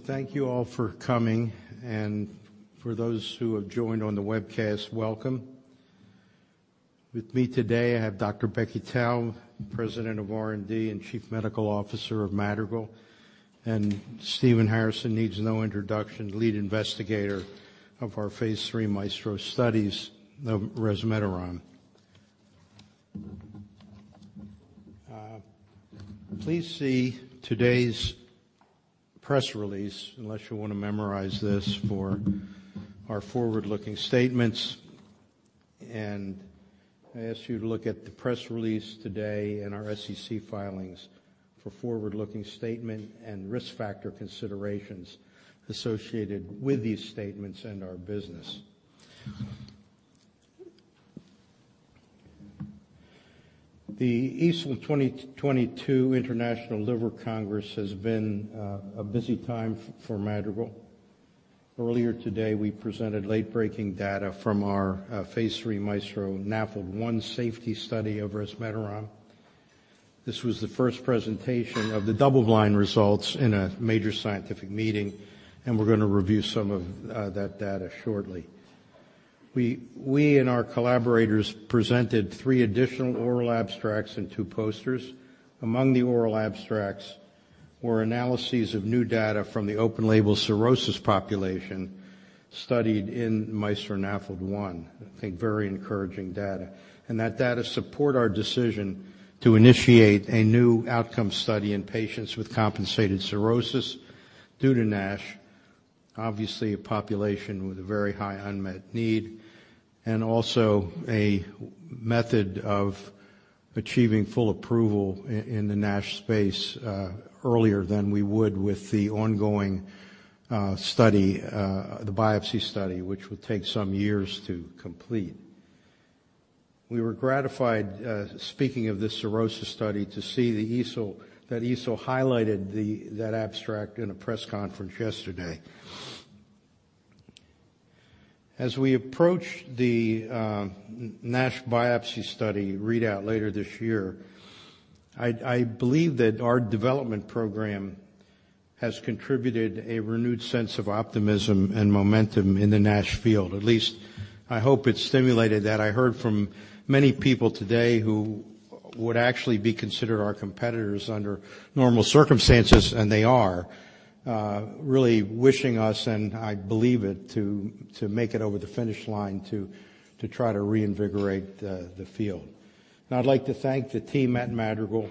Thank you all for coming, and for those who have joined on the webcast, welcome. With me today, I have Dr. Rebecca Taub, President of R&D and Chief Medical Officer of Madrigal, and Stephen Harrison needs no introduction, Lead Investigator of our phase III MAESTRO studies of resmetirom. Please see today's press release unless you wanna memorize this for our forward-looking statements, and I ask you to look at the press release today and our SEC filings for forward-looking statement and risk factor considerations associated with these statements and our business. The EASL 2022 International Liver Congress has been a busy time for Madrigal. Earlier today, we presented late-breaking data from our phase III MAESTRO-NAFLD-1 safety study of resmetirom. This was the first presentation of the double-blind results in a major scientific meeting, and we're gonna review some of that data shortly. We and our collaborators presented three additional oral abstracts and two posters. Among the oral abstracts were analyses of new data from the open label cirrhosis population studied in MAESTRO-NAFLD-1. I think very encouraging data. That data support our decision to initiate a new outcome study in patients with compensated cirrhosis due to NASH. Obviously, a population with a very high unmet need, and also a method of achieving full approval in the NASH space, earlier than we would with the ongoing study, the biopsy study, which would take some years to complete. We were gratified, speaking of this cirrhosis study, to see that EASL highlighted that abstract in a press conference yesterday. As we approach the NASH biopsy study readout later this year, I believe that our development program has contributed a renewed sense of optimism and momentum in the NASH field. At least I hope it stimulated that. I heard from many people today who would actually be considered our competitors under normal circumstances, and they are really wishing us, and I believe it, to make it over the finish line to try to reinvigorate the field. I'd like to thank the team at Madrigal,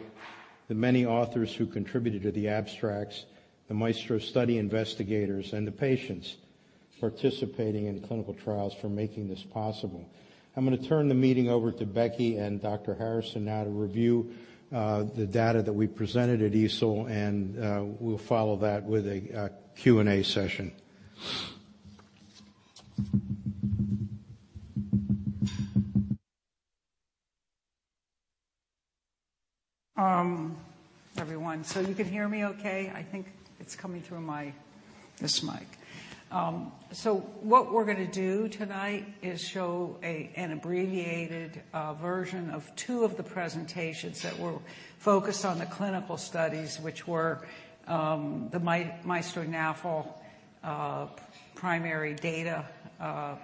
the many authors who contributed to the abstracts, the MAESTRO study investigators, and the patients participating in clinical trials for making this possible. I'm gonna turn the meeting over to Becky and Dr. Harrison now to review the data that we presented at EASL, and we'll follow that with a Q&A session. Everyone. You can hear me okay? I think it's coming through my this mic. What we're gonna do tonight is show an abbreviated version of two of the presentations that were focused on the clinical studies which were the MAESTRO-NAFLD primary data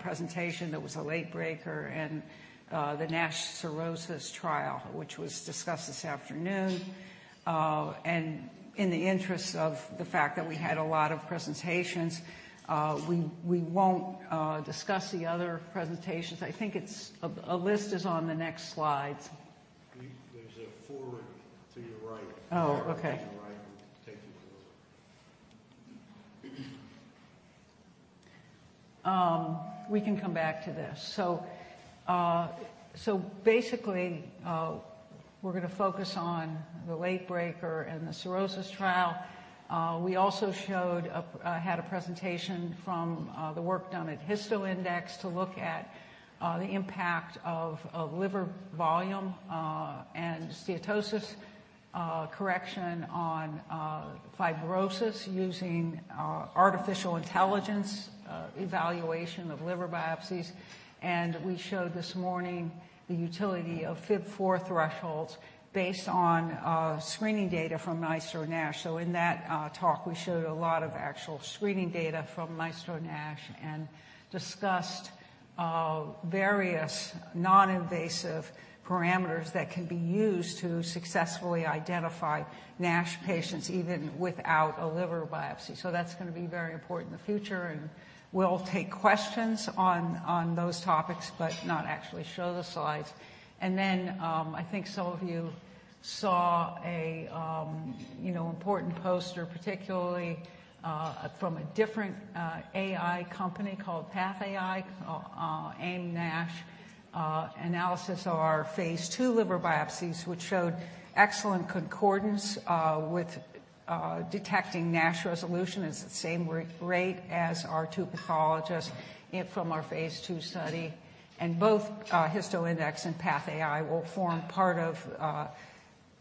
presentation that was a late breaker and the NASH cirrhosis trial, which was discussed this afternoon. In the interest of the fact that we had a lot of presentations, we won't discuss the other presentations. I think it's a list is on the next slides. There's a folder to your right. Oh, okay. To your right. Take it forward. We can come back to this. Basically, we're gonna focus on the late breaker and the cirrhosis trial. We also had a presentation from the work done at HistoIndex to look at the impact of liver volume and steatosis correction on fibrosis using artificial intelligence evaluation of liver biopsies. We showed this morning the utility of FIB-4 thresholds based on screening data from MAESTRO-NASH. In that talk, we showed a lot of actual screening data from MAESTRO-NASH and discussed various non-invasive parameters that can be used to successfully identify NASH patients even without a liver biopsy. That's gonna be very important in the future, and we'll take questions on those topics, but not actually show the slides. I think some of you saw, you know, an important poster, particularly from a different AI company called PathAI, a NASH analysis of our phase II liver biopsies, which showed excellent concordance with detecting NASH resolution. It's the same rate as our two pathologists from our phase II study. Both HistoIndex and PathAI will form part of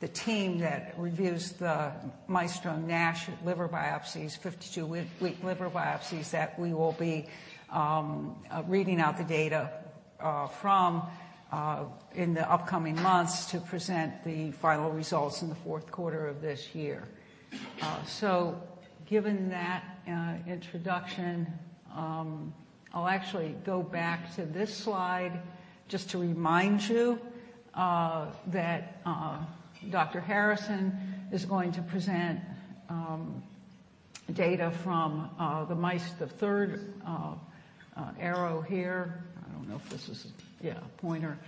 the team that reviews the MAESTRO-NASH liver biopsies, 52-week liver biopsies that we will be reading out the data from in the upcoming months to present the final results in the fourth quarter of this year. Given that introduction, I'll actually go back to this slide just to remind you that Dr. Harrison is going to present data from the mice. The third arrow here. Yeah, pointer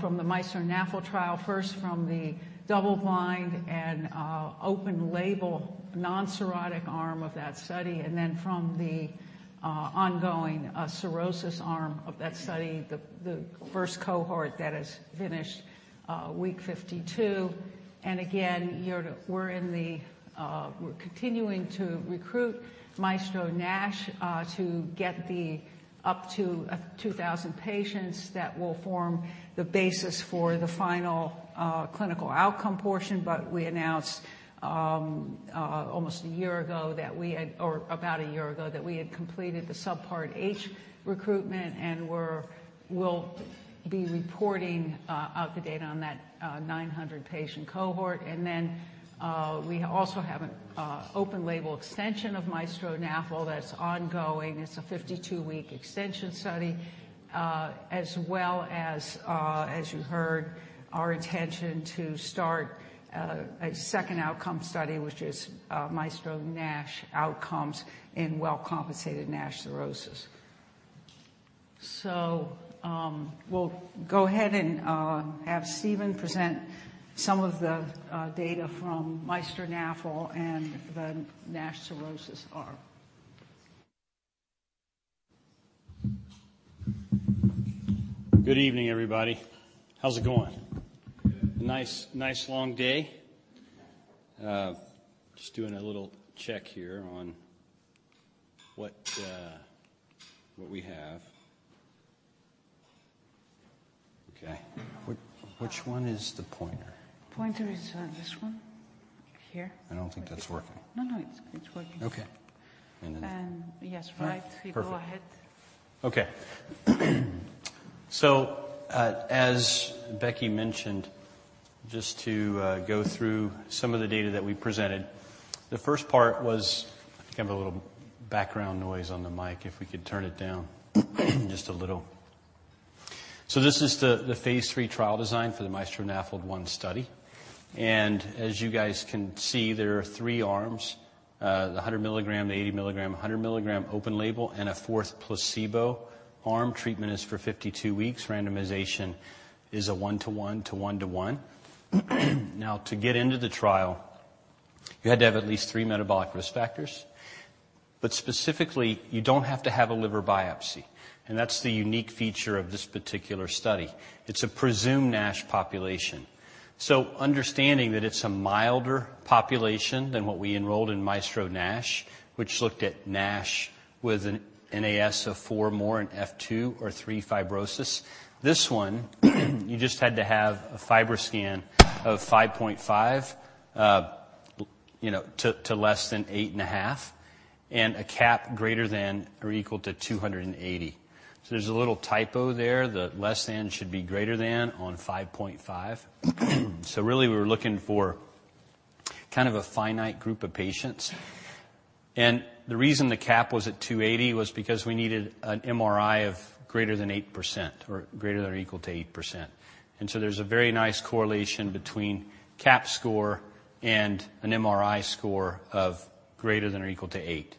from the MAESTRO-NAFLD trial. First from the double-blind and open-label non-cirrhotic arm of that study, and then from the ongoing cirrhosis arm of that study. The first cohort that has finished week 52. We're continuing to recruit MAESTRO-NASH to get up to 2,000 patients that will form the basis for the final clinical outcome portion. We announced almost a year ago or about a year ago that we had completed the Subpart H recruitment, and we will be reporting out the data on that 900-patient cohort. We also have an open-label extension of MAESTRO-NAFLD that's ongoing. It's a 52-week extension study. As well as you heard, our intention to start a second outcome study, which is MAESTRO-NASH Outcomes in well-compensated NASH cirrhosis. We'll go ahead and have Stephen present some of the data from MAESTRO-NAFLD and the NASH cirrhosis arm. Good evening, everybody. How's it going? Nice long day. Just doing a little check here on what we have. Okay. Which one is the pointer? Pointer is, this one here. I don't think that's working. No, no, it's working. Okay. Yes, right. All right. Perfect. You go ahead. Okay. As Becky mentioned, just to go through some of the data that we presented. This is the phase 3 trial design for the MAESTRO-NAFLD-1 study. As you guys can see, there are three arms. The 100 mg, the 80 mg, 100 mg open label, and a fourth placebo arm. Treatment is for 52 weeks. Randomization is a 1-to-1 to 1-to-1. To get into the trial, you had to have at least three metabolic risk factors, but specifically, you don't have to have a liver biopsy, and that's the unique feature of this particular study. It's a presumed NASH population. Understanding that it's a milder population than what we enrolled in MAESTRO-NASH, which looked at NASH with an NAS of four or more in F2 or F3 fibrosis. This one, you just had to have a FibroScan of 5.5, you know, to less than 8.5 and a CAP greater than or equal to 280. There's a little typo there. The less than should be greater than on 5.5. Really, we were looking for kind of a finite group of patients. The reason the CAP was at 280 was because we needed an MRI of greater than 8% or greater than or equal to 8%. There's a very nice correlation between CAP score and an MRI score of greater than or equal to 8.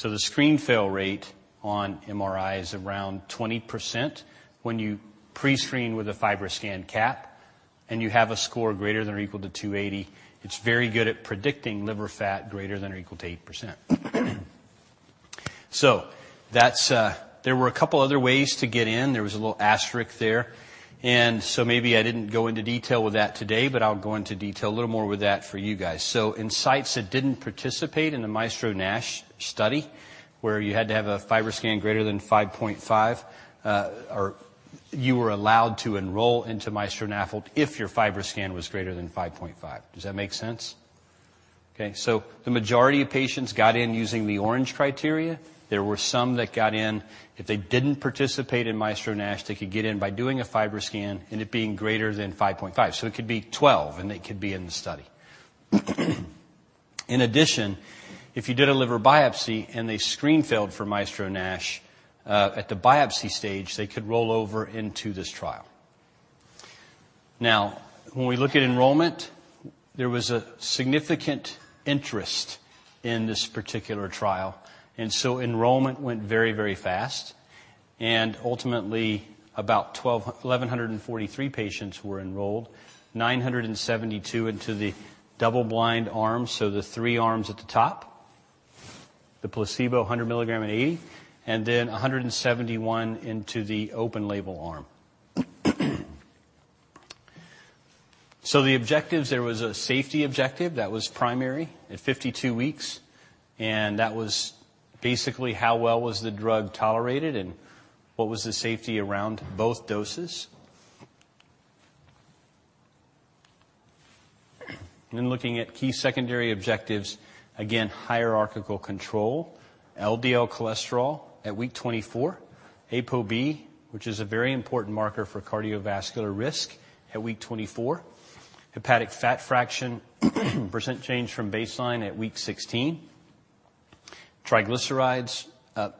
The screen fail rate on MRI is around 20%. When you pre-screen with a FibroScan CAP and you have a score greater than or equal to 280, it's very good at predicting liver fat greater than or equal to 8%. That's. There were a couple other ways to get in. There was a little asterisk there, and so maybe I didn't go into detail with that today, but I'll go into detail a little more with that for you guys. In sites that didn't participate in the MAESTRO-NASH study, where you had to have a FibroScan greater than 5.5, or you were allowed to enroll into MAESTRO-NAFLD if your FibroScan was greater than 5.5. Does that make sense? Okay. The majority of patients got in using the orange criteria. There were some that got in. If they didn't participate in MAESTRO-NASH, they could get in by doing a FibroScan and it being greater than 5.5. It could be 12, and they could be in the study. In addition, if you did a liver biopsy and they screen failed for MAESTRO-NASH, at the biopsy stage, they could roll over into this trial. Now, when we look at enrollment, there was a significant interest in this particular trial, and so enrollment went very, very fast. Ultimately, about 1,143 patients were enrolled. 972 into the double-blind arm. The three arms at the top. The placebo, 100 mg and 80, and then 171 into the open label arm. The objectives, there was a safety objective that was primary at 52 weeks, and that was basically how well was the drug tolerated and what was the safety around both doses. Looking at key secondary objectives. Again, hierarchical control, LDL cholesterol at week 24. ApoB, which is a very important marker for cardiovascular risk at week 24. Hepatic fat fraction % change from baseline at week 16. Triglycerides,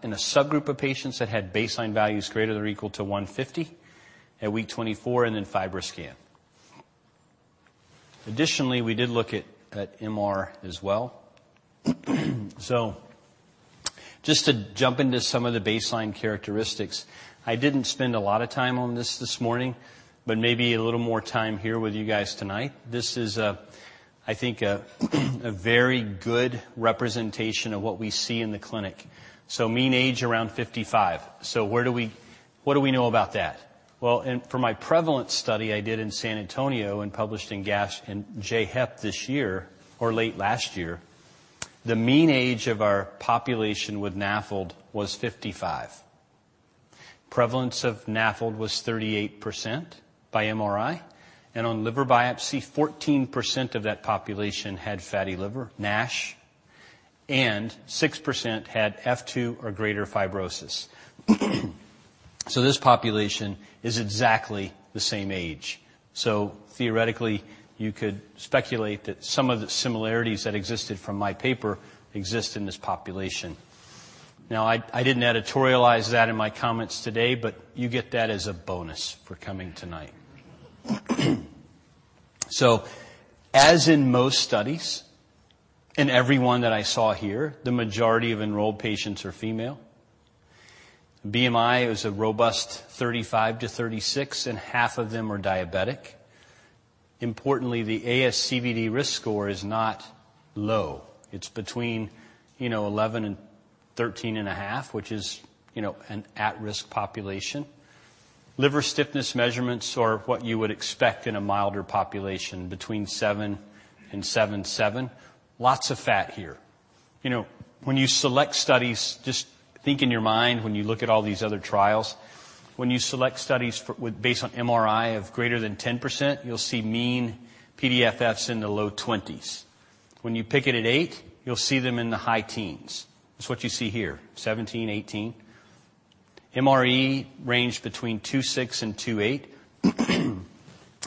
in a subgroup of patients that had baseline values greater than or equal to 150 at week 24, and then FibroScan. Additionally, we did look at MR as well. Just to jump into some of the baseline characteristics. I didn't spend a lot of time on this morning, but maybe a little more time here with you guys tonight. This is, I think, a very good representation of what we see in the clinic. Mean age around 55. What do we know about that? For my prevalence study I did in San Antonio and published in Gastroenterology & Hepatology and Journal of Hepatology this year or late last year, the mean age of our population with NAFLD was 55. Prevalence of NAFLD was 38% by MRI, and on liver biopsy, 14% of that population had fatty liver NASH, and 6% had F2 or greater fibrosis. This population is exactly the same age. Theoretically, you could speculate that some of the similarities that existed from my paper exist in this population. I didn't editorialize that in my comments today, but you get that as a bonus for coming tonight. As in most studies, and everyone that I saw here, the majority of enrolled patients are female. BMI is a robust 35-36, and half of them are diabetic. Importantly, the ASCVD risk score is not low. It's between, you know, 11 and 13.5, which is, you know, an at-risk population. Liver stiffness measurements are what you would expect in a milder population between seven and 7.7. Lots of fat here. You know, when you select studies, just think in your mind when you look at all these other trials. When you select studies based on MRI of greater than 10%, you'll see mean PDFFs in the low 20s. When you pick it at eight, you'll see them in the high teens. That's what you see here, 17, 18. MRE range between 2.6 and 2.8.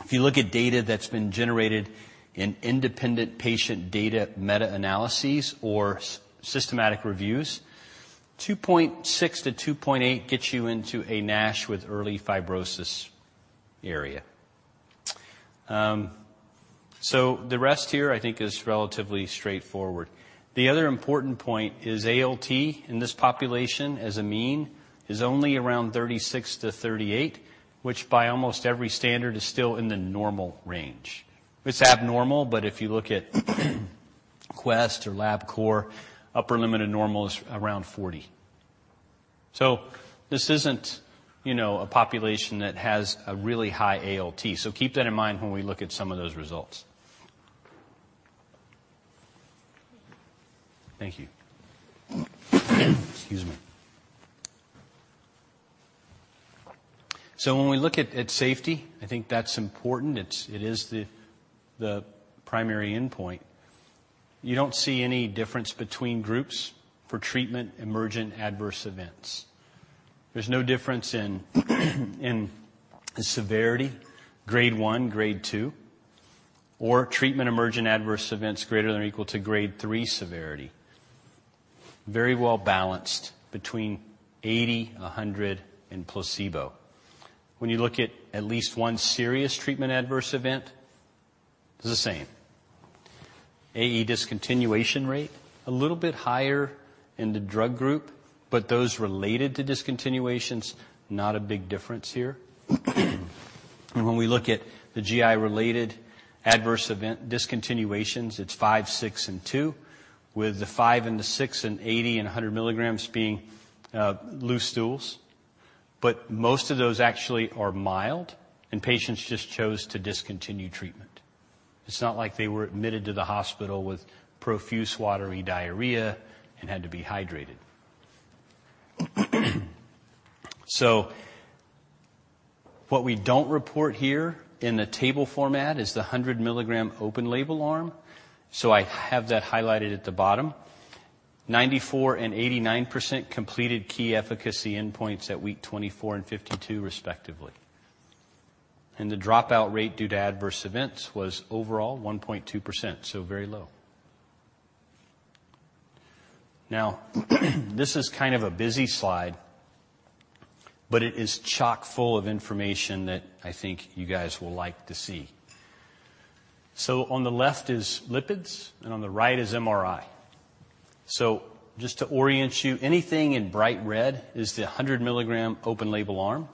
If you look at data that's been generated in independent patient data meta-analysis or systematic reviews, 2.6-2.8 gets you into a NASH with early fibrosis area. The rest here I think is relatively straightforward. The other important point is ALT in this population as a mean is only around 36-38, which by almost every standard is still in the normal range. It's abnormal, but if you look at Quest or Labcorp, upper limit of normal is around 40. This isn't, you know, a population that has a really high ALT, so keep that in mind when we look at some of those results. Thank you. Excuse me. When we look at safety, I think that's important. It is the primary endpoint. You don't see any difference between groups for treatment emergent adverse events. There's no difference in severity, grade one, grade two, or treatment emergent adverse events greater than or equal to grade three severity. Very well-balanced between 80, 100, and placebo. When you look at least one serious treatment adverse event, it's the same. AE discontinuation rate, a little bit higher in the drug group, but those related to discontinuations, not a big difference here. When we look at the GI-related adverse event discontinuations, it's five, six, and two, with the five and the six and 80 and 100 mg being loose stools. But most of those actually are mild, and patients just chose to discontinue treatment. It's not like they were admitted to the hospital with profuse watery diarrhea and had to be hydrated. What we don't report here in the table format is the 100 mg open label arm, so I have that highlighted at the bottom. 94% and 89% completed key efficacy endpoints at week 24 and 52 respectively. The dropout rate due to adverse events was overall 1.2%, so very low. Now, this is kind of a busy slide, but it is chock-full of information that I think you guys will like to see. On the left is lipids and on the right is MRI. Just to orient you, anything in bright red is the 100 mg open label arm.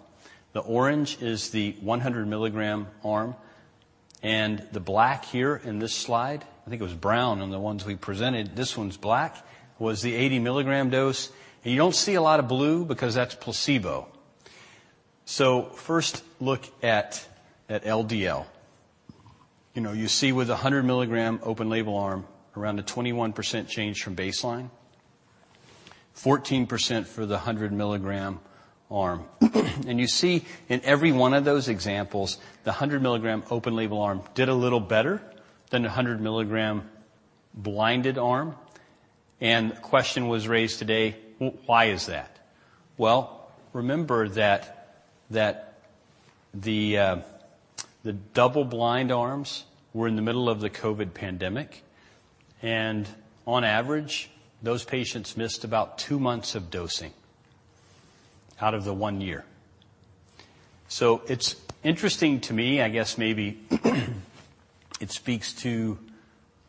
The orange is the 100 mg arm, and the black here in this slide, I think it was brown on the ones we presented. This one's black was the 80 mg dose. You don't see a lot of blue because that's placebo. First look at LDL. You know, you see with a 100 mg open label arm around a 21% change from baseline. 14% for the 100 mg arm. You see in every one of those examples, the 100 mg open label arm did a little better than the 100 mg blinded arm. The question was raised today, why is that? Well, remember that the double blind arms were in the middle of the COVID pandemic, and on average, those patients missed about two months of dosing out of the one year. It's interesting to me, I guess maybe it speaks to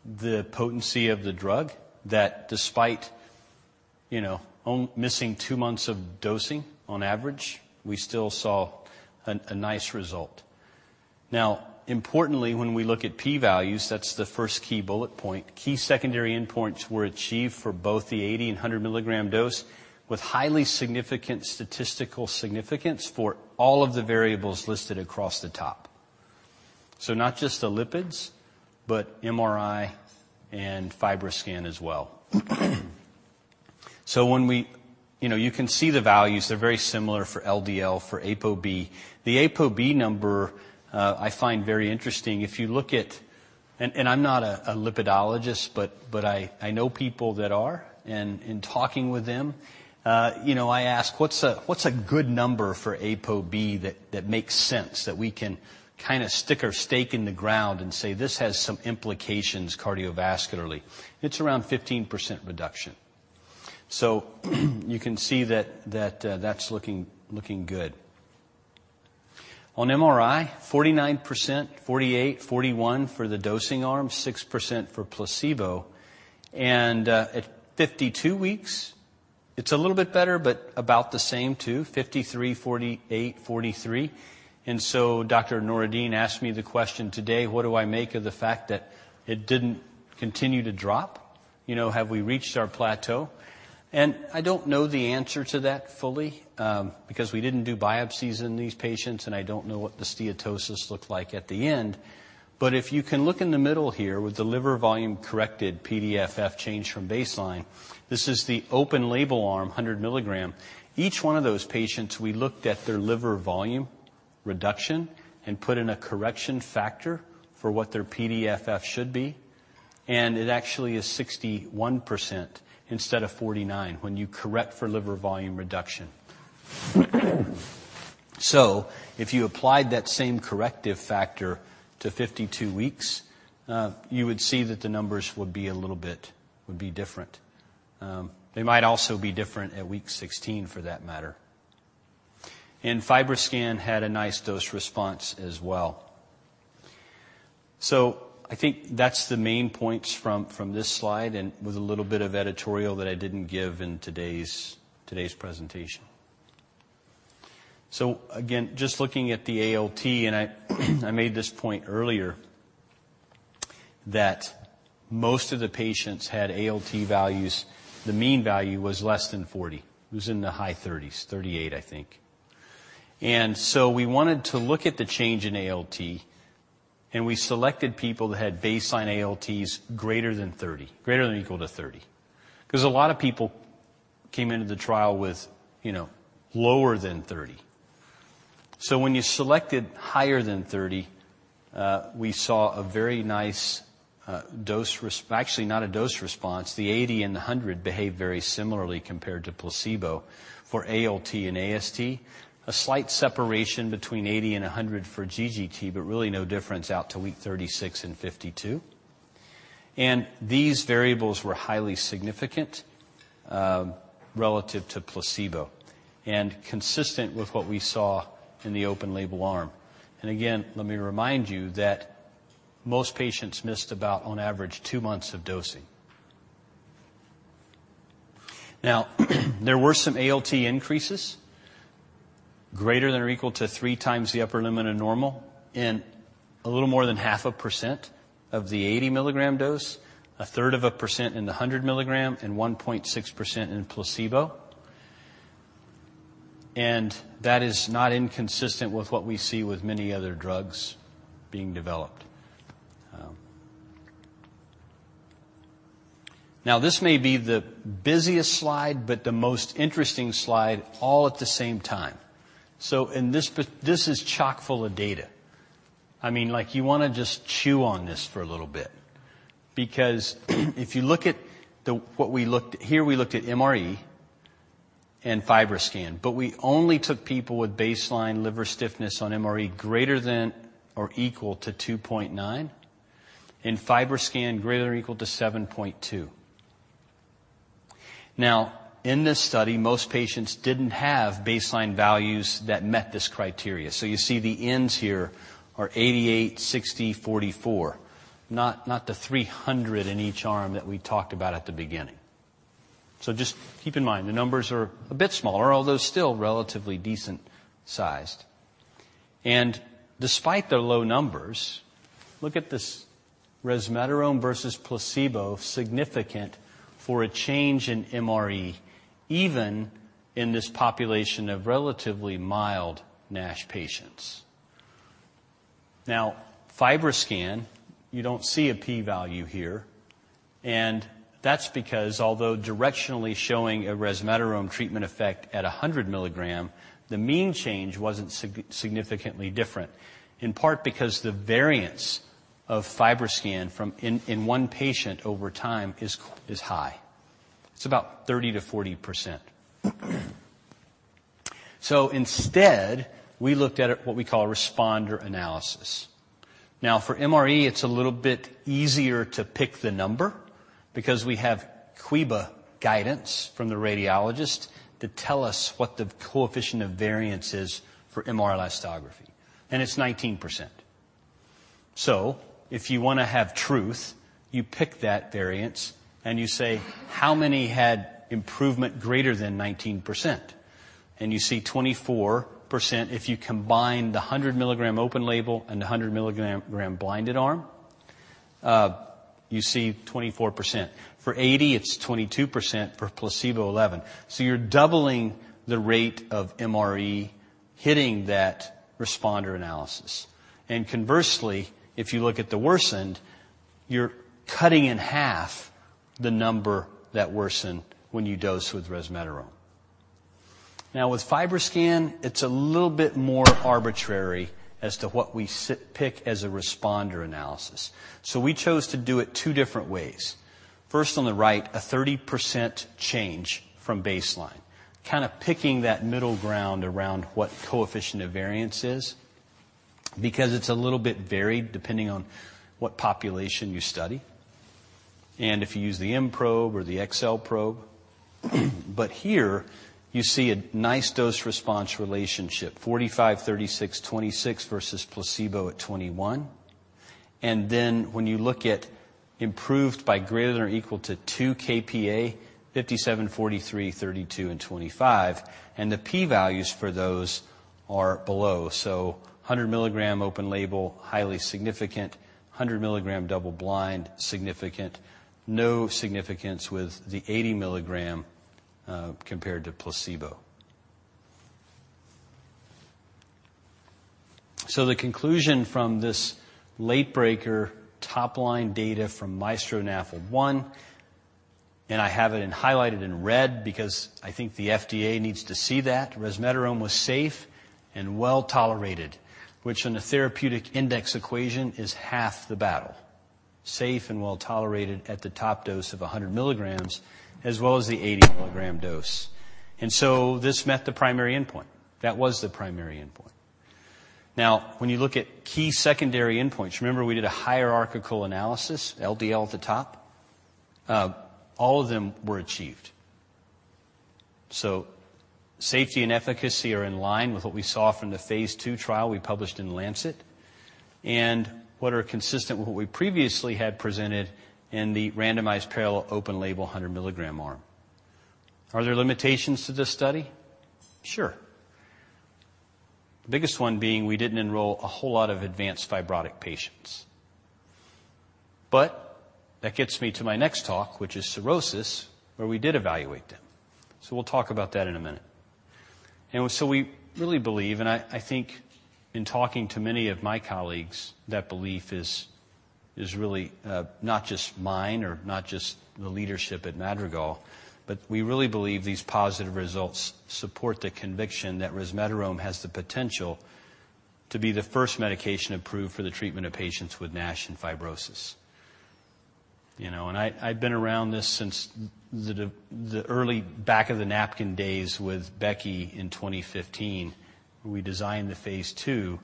the potency of the drug that despite, you know, missing two months of dosing on average, we still saw a nice result. Now, importantly, when we look at P values, that's the first key bullet point. Key secondary endpoints were achieved for both the 80- and 100 mg dose, with highly significant statistical significance for all of the variables listed across the top. Not just the lipids, but MRI and FibroScan as well. You know, you can see the values. They're very similar for LDL, for ApoB. The ApoB number, I find very interesting. If you look at... And I'm not a lipidologist, but I know people that are, and in talking with them, you know, I ask, "What's a good number for ApoB that makes sense that we can kinda stick our stake in the ground and say, 'This has some implications cardiovascularly?'" It's around 15% reduction. You can see that that's looking good. On MRI, 49%, 48, 41 for the dosing arm, 6% for placebo. At 52 weeks it's a little bit better, but about the same too, 53, 48, 43. Dr. Noureddin asked me the question today, what do I make of the fact that it didn't continue to drop? You know, have we reached our plateau? I don't know the answer to that fully, because we didn't do biopsies in these patients, and I don't know what the steatosis looked like at the end. If you can look in the middle here with the liver volume-corrected PDFF change from baseline, this is the open label arm, 100 mg. Each one of those patients, we looked at their liver volume reduction and put in a correction factor for what their PDFF should be, and it actually is 61% instead of 49 when you correct for liver volume reduction. If you applied that same corrective factor to 52 weeks, you would see that the numbers would be a little bit different. They might also be different at week 16, for that matter. FibroScan had a nice dose response as well. I think that's the main points from this slide and with a little bit of editorial that I didn't give in today's presentation. Just looking at the ALT, I made this point earlier that most of the patients had ALT values. The mean value was less than 40. It was in the high thirties. 38, I think. We wanted to look at the change in ALT, and we selected people that had baseline ALTs greater than 30, greater than or equal to 30. A lot of people came into the trial with, you know, lower than 30. When you selected higher than 30, we saw a very nice, actually not a dose response. The 80 and the 100 behaved very similarly compared to placebo for ALT and AST. A slight separation between 80 and 100 for GGT, but really no difference out to week 36 and 52. These variables were highly significant relative to placebo and consistent with what we saw in the open label arm. Again, let me remind you that most patients missed about, on average, two months of dosing. Now, there were some ALT increases greater than or equal to three times the upper limit of normal in a little more than 0.5% of the 80 mg dose, 0.3% in the 100 mg and 1.6% in placebo. That is not inconsistent with what we see with many other drugs being developed. Now this may be the busiest slide, but the most interesting slide all at the same time. This is chock-full of data. I mean, like, you wanna just chew on this for a little bit because if you look at what we looked at. Here we looked at MRE and FibroScan, but we only took people with baseline liver stiffness on MRE greater than or equal to 2.9 and FibroScan greater than or equal to 7.2. In this study, most patients didn't have baseline values that met this criteria. You see the ends here are 88, 60, 44, not the 300 in each arm that we talked about at the beginning. Just keep in mind, the numbers are a bit smaller, although still relatively decent sized. Despite their low numbers, look at this resmetirom versus placebo, significant for a change in MRE even in this population of relatively mild NASH patients. FibroScan, you don't see a P value here, and that's because although directionally showing a resmetirom treatment effect at 100 mg, the mean change wasn't significantly different, in part because the variance of FibroScan in one patient over time is high. It's about 30%-40%. Instead, we looked at it, what we call responder analysis. Now, for MRE, it's a little bit easier to pick the number because we have QIBA guidance from the radiologist to tell us what the coefficient of variation is for MR Elastography, and it's 19%. If you wanna have truth, you pick that variance, and you say, "How many had improvement greater than 19%?" You see 24% if you combine the 100 mg open-label and the 100 mg randomized blinded arm. You see 24%. For 80, it's 22%. For placebo, 11%. You're doubling the rate of MRE hitting that responder analysis. Conversely, if you look at the worsened, you're cutting in half the number that worsened when you dose with resmetirom. Now, with FibroScan, it's a little bit more arbitrary as to what we pick as a responder analysis. We chose to do it two different ways. First, on the right, a 30% change from baseline, kinda picking that middle ground around what coefficient of variance is because it's a little bit varied depending on what population you study and if you use the M probe or the XL probe. Here you see a nice dose-response relationship, 45, 36, 26 versus placebo at 21. When you look at improved by greater than or equal to 2 kPa, 57, 43, 32 and 25. The P values for those are below. 100 mg open label, highly significant. 100 mg double blind, significant. No significance with the 80 mg compared to placebo. The conclusion from this late breaker top line data from MAESTRO-NAFLD-1, and I have it highlighted in red because I think the FDA needs to see that resmetirom was safe and well-tolerated, which in the therapeutic index equation is half the battle. Safe and well-tolerated at the top dose of 100 mg as well as the 80 mg dose. This met the primary endpoint. That was the primary endpoint. Now, when you look at key secondary endpoints, remember we did a hierarchical analysis, LDL at the top. All of them were achieved. Safety and efficacy are in line with what we saw from the phase II trial we published in Lancet. What are consistent with what we previously had presented in the randomized parallel open label 100 mg arm. Are there limitations to this study? Sure. The biggest one being we didn't enroll a whole lot of advanced fibrotic patients. That gets me to my next talk, which is cirrhosis, where we did evaluate them. We'll talk about that in a minute. We really believe, and I think in talking to many of my colleagues, that belief is really not just mine or not just the leadership at Madrigal, but we really believe these positive results support the conviction that resmetirom has the potential to be the first medication approved for the treatment of patients with NASH and fibrosis. You know, and I've been around this since the early back of the napkin days with Becky in 2015 when we designed the phase II,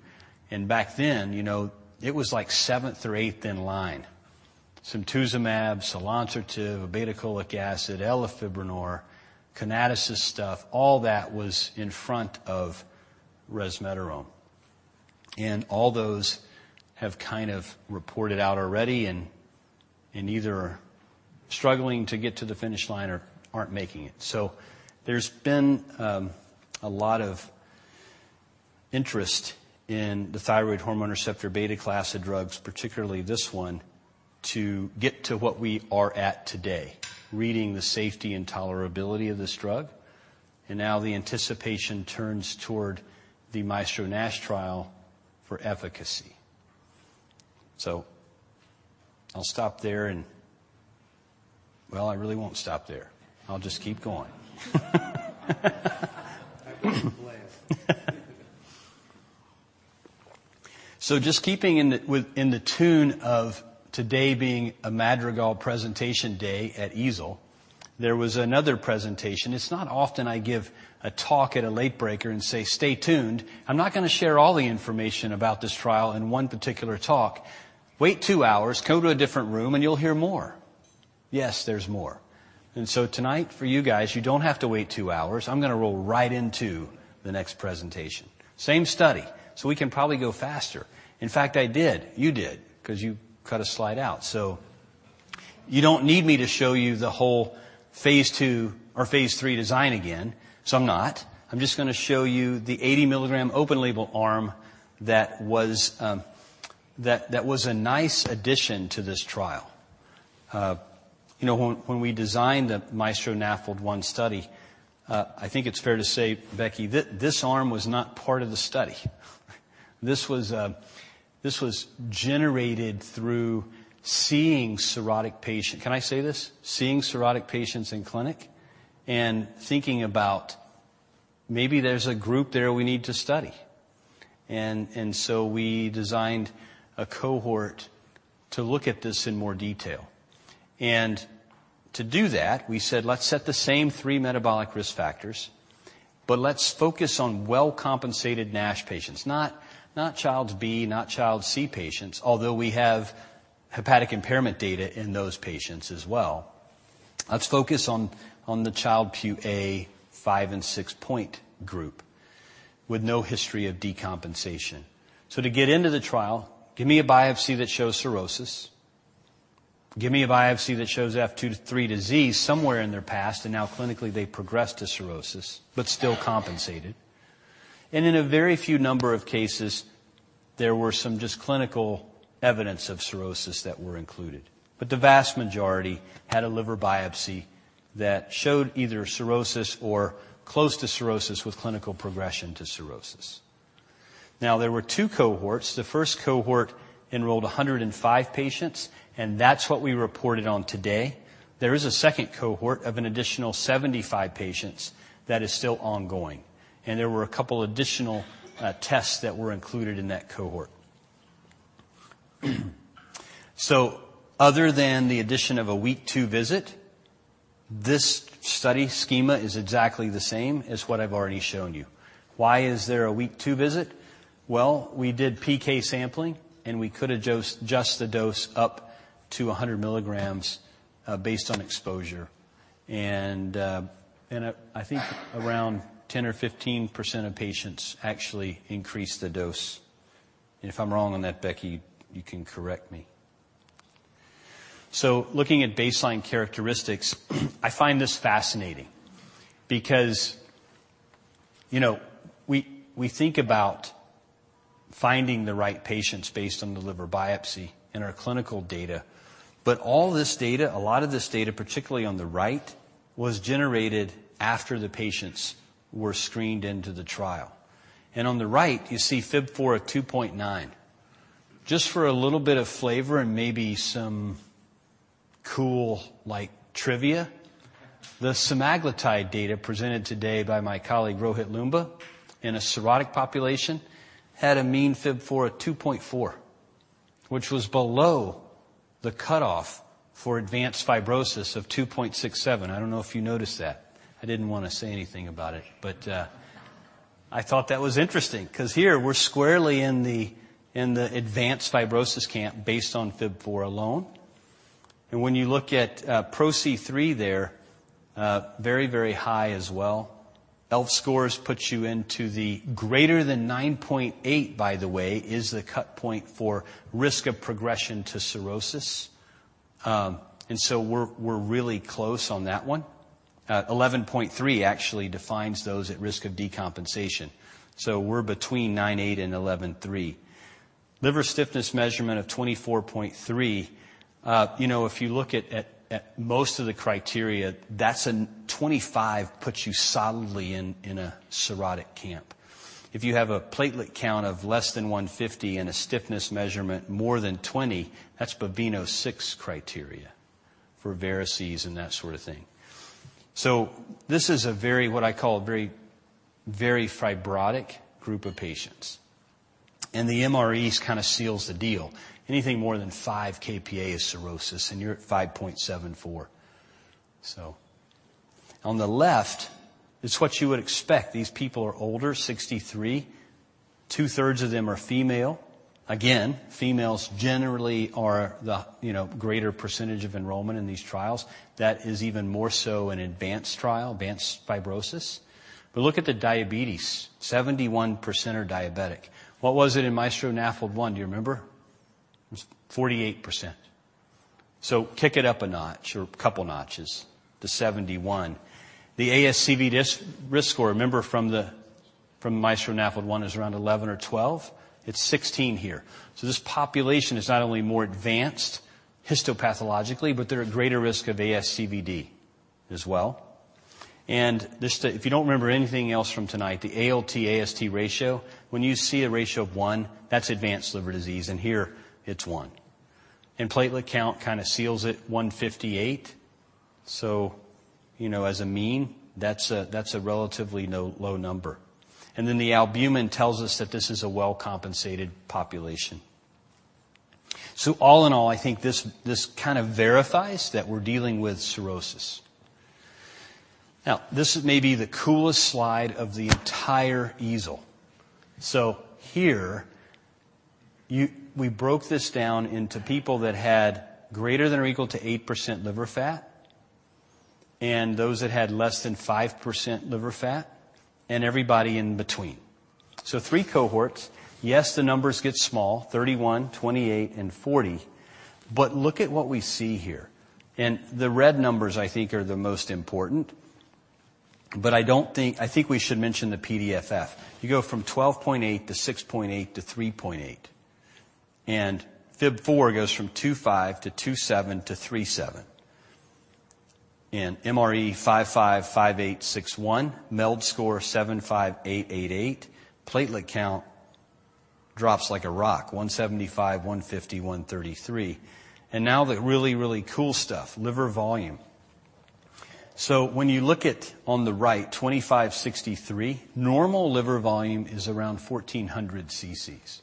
and back then, you know, it was like 7th or 8th in line. Simtuzumab, selonsertib, obeticholic acid, elafibranor, Conatus's stuff, all that was in front of resmetirom. All those have kind of reported out already and either are struggling to get to the finish line or aren't making it. There's been a lot of interest in the thyroid hormone receptor beta class of drugs, particularly this one, to get to what we are at today, reading the safety and tolerability of this drug. Now the anticipation turns toward the MAESTRO-NASH trial for efficacy. I'll stop there. Well, I really won't stop there. I'll just keep going. I wouldn't blame you. Just keeping in tune with today being a Madrigal presentation day at EASL, there was another presentation. It's not often I give a talk at a late breaker and say, "Stay tuned. I'm not gonna share all the information about this trial in one particular talk. Wait two hours, come to a different room, and you'll hear more." Yes, there's more. Tonight, for you guys, you don't have to wait two hours. I'm gonna roll right into the next presentation. Same study, so we can probably go faster. In fact, I did. You did 'cause you cut a slide out. You don't need me to show you the whole phase II or phase III design again, so I'm not. I'm just gonna show you the 80 mg open label arm that was a nice addition to this trial. You know, when we designed the MAESTRO-NAFLD-1 study, I think it's fair to say, Becky, this arm was not part of the study. This was generated through seeing cirrhotic patients in clinic and thinking about maybe there's a group there we need to study. So we designed a cohort to look at this in more detail. To do that, we said, "Let's set the same three metabolic risk factors, but let's focus on well-compensated NASH patients, not Child-Pugh B, not Child-Pugh C patients, although we have hepatic impairment data in those patients as well. Let's focus on the Child-Pugh A 5 to and six-point group with no history of decompensation. To get into the trial, give me a biopsy that shows cirrhosis. Give me a biopsy that shows F2-F3 disease somewhere in their past and now clinically they've progressed to cirrhosis, but still compensated. In a very few number of cases, there were some just clinical evidence of cirrhosis that were included. The vast majority had a liver biopsy that showed either cirrhosis or close to cirrhosis with clinical progression to cirrhosis. Now, there were two cohorts. The first cohort enrolled 105 patients, and that's what we reported on today. There is a second cohort of an additional 75 patients that is still ongoing, and there were a couple additional tests that were included in that cohort. Other than the addition of a week two visit, this study schema is exactly the same as what I've already shown you. Why is there a week two visit? Well, we did PK sampling, and we could adjust the dose up to 100 mg based on exposure. And I think around 10% or 15% of patients actually increased the dose. If I'm wrong on that, Becky, you can correct me. Looking at baseline characteristics, I find this fascinating because, you know, we think about finding the right patients based on the liver biopsy in our clinical data, but all this data, a lot of this data, particularly on the right, was generated after the patients were screened into the trial. On the right you see FIB-4 at 2.9. Just for a little bit of flavor and maybe some cool, like, trivia, the semaglutide data presented today by my colleague Rohit Loomba in a cirrhotic population had a mean FIB-4 at 2.4, which was below the cutoff for advanced fibrosis of 2.67. I don't know if you noticed that. I didn't wanna say anything about it, but I thought that was interesting 'cause here we're squarely in the advanced fibrosis camp based on FIB-4 alone. When you look at PRO-C3 there, very, very high as well. ELF scores puts you into the greater than 9.8, by the way, is the cut point for risk of progression to cirrhosis. We're really close on that one. 11 point three actually defines those at risk of decompensation. We're between 9.8 and 11.3. Liver stiffness measurement of 24.3. You know, if you look at most of the criteria, that's 25 puts you solidly in a cirrhotic camp. If you have a platelet count of less than 150 and a stiffness measurement more than 20, that's Baveno VI criteria for varices and that sort of thing. This is a very, what I call a very fibrotic group of patients. The MREs kinda seals the deal. Anything more than five kPa is cirrhosis, and you're at 5.74. On the left is what you would expect. These people are older, 63. Two-thirds of them are female. Again, females generally are the greater percentage of enrollment in these trials. That is even more so in advanced trial, advanced fibrosis. Look at the diabetes. 71% are diabetic. What was it in MAESTRO-NAFLD-1, do you remember? It was 48%. Kick it up a notch or a couple notches to 71%. The ASCVD dis-risk score, remember from the, from MAESTRO-NAFLD-1 is around 11 or 12? It's 16 here. This population is not only more advanced histopathologically, but they're at greater risk of ASCVD as well. This. If you don't remember anything else from tonight, the ALT/AST ratio, when you see a ratio of 1, that's advanced liver disease, and here it's 1. Platelet count kinda seals it, 158. You know, as a mean, that's a relatively low number. Then the albumin tells us that this is a well-compensated population. All in all, I think this kind of verifies that we're dealing with cirrhosis. Now, this is maybe the coolest slide of the entire EASL. Here we broke this down into people that had greater than or equal to 8% liver fat and those that had less than 5% liver fat and everybody in between. Three cohorts. Yes, the numbers get small, 31, 28, and 40, but look at what we see here. The red numbers, I think, are the most important. I think we should mention the PDFF. You go from 12.8 to 6.8 to 3.8. FIB-4 goes from 2.5 to 2.7 to 3.7. MRE 5.5.8, 6.1, MELD score 7.5, 8.88. Platelet count drops like a rock, 175, 150, 133. Now the really, really cool stuff, liver volume. When you look at, on the right, 25, 63, normal liver volume is around 1,400 cc's.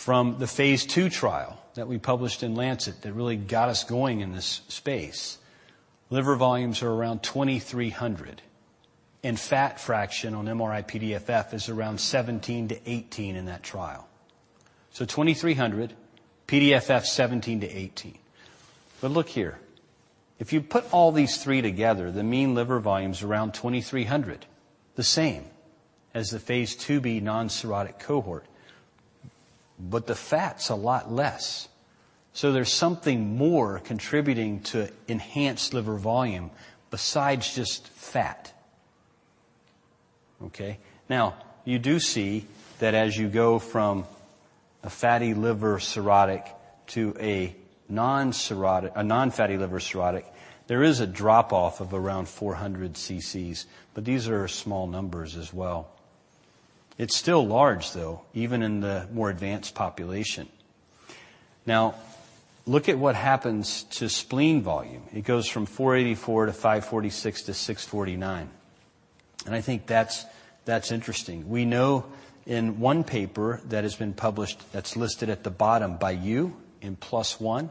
From the phase II trial that we published in The Lancet that really got us going in this space, liver volumes are around 2,300, and fat fraction on MRI PDFF is around 17-18 in that trial. Twenty-three hundred, PDFF 17-18. But look here, if you put all these three together, the mean liver volume's around 2,300, the same as the phase II-B non-cirrhotic cohort, but the fat's a lot less. There's something more contributing to enhanced liver volume besides just fat. Okay? Now, you do see that as you go from a fatty liver cirrhotic to a non-fatty liver cirrhotic, there is a drop-off of around 400 cc's, but these are small numbers as well. It's still large, though, even in the more advanced population. Now, look at what happens to spleen volume. It goes from 484 to 546 to 649, and I think that's interesting. We know in one paper that has been published that's listed at the bottom by you in plus one,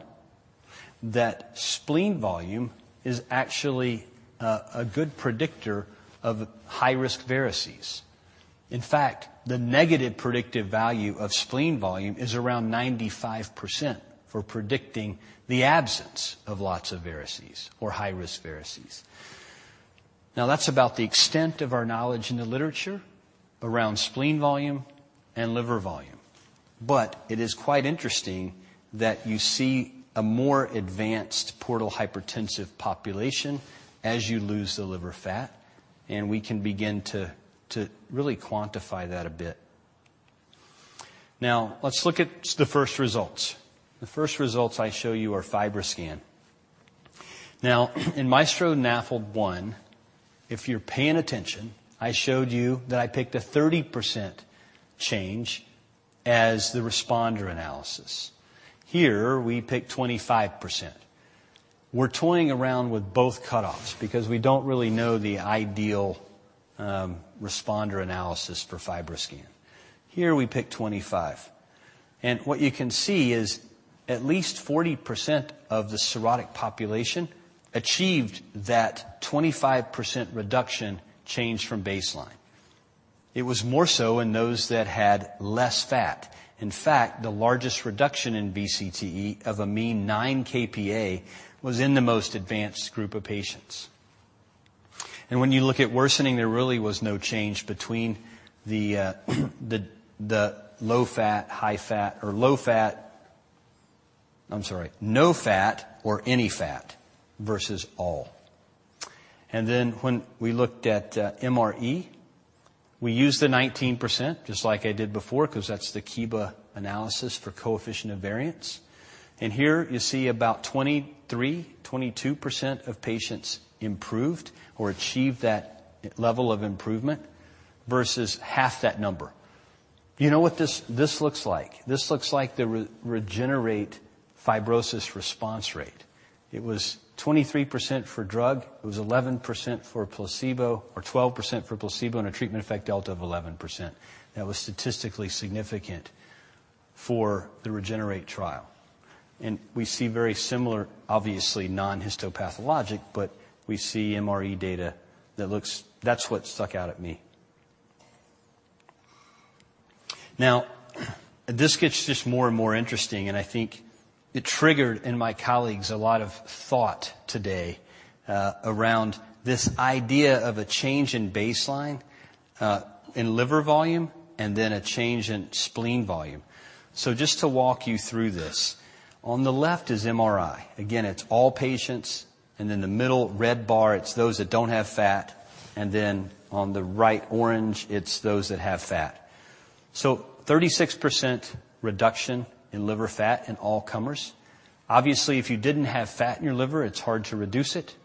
that spleen volume is actually a good predictor of high-risk varices. In fact, the negative predictive value of spleen volume is around 95% for predicting the absence of lots of varices or high-risk varices. Now, that's about the extent of our knowledge in the literature around spleen volume and liver volume. It is quite interesting that you see a more advanced portal hypertensive population as you lose the liver fat, and we can begin to really quantify that a bit. Now, let's look at the first results. The first results I show you are FibroScan. Now, in MAESTRO-NAFLD-1, if you're paying attention, I showed you that I picked a 30% change as the responder analysis. Here, we pick 25%. We're toying around with both cutoffs because we don't really know the ideal responder analysis for FibroScan. Here, we pick 25%. What you can see is at least 40% of the cirrhotic population achieved that 25% reduction change from baseline. It was more so in those that had less fat. In fact, the largest reduction in VCTE of a mean 9 kPa was in the most advanced group of patients. When you look at worsening, there really was no change between the no fat or any fat versus all. When we looked at MRE, we used the 19%, just like I did before, 'cause that's the QIBA analysis for coefficient of variance. Here you see about 23, 22% of patients improved or achieved that level of improvement versus half that number. You know what this looks like? This looks like the REGENERATE fibrosis response rate. It was 23% for drug. It was 11% for placebo or 12% for placebo and a treatment effect delta of 11%. That was statistically significant for the REGENERATE trial. We see very similar, obviously non-histopathologic, but we see MRE data that looks. That's what stuck out at me. Now, this gets just more and more interesting, and I think it triggered in my colleagues a lot of thought today, around this idea of a change in baseline, in liver volume and then a change in spleen volume. Just to walk you through this, on the left is MRI. Again, it's all patients, and in the middle red bar, it's those that don't have fat, and then on the right orange, it's those that have fat. 36% reduction in liver fat in all comers. Obviously, if you didn't have fat in your liver, it's hard to reduce it.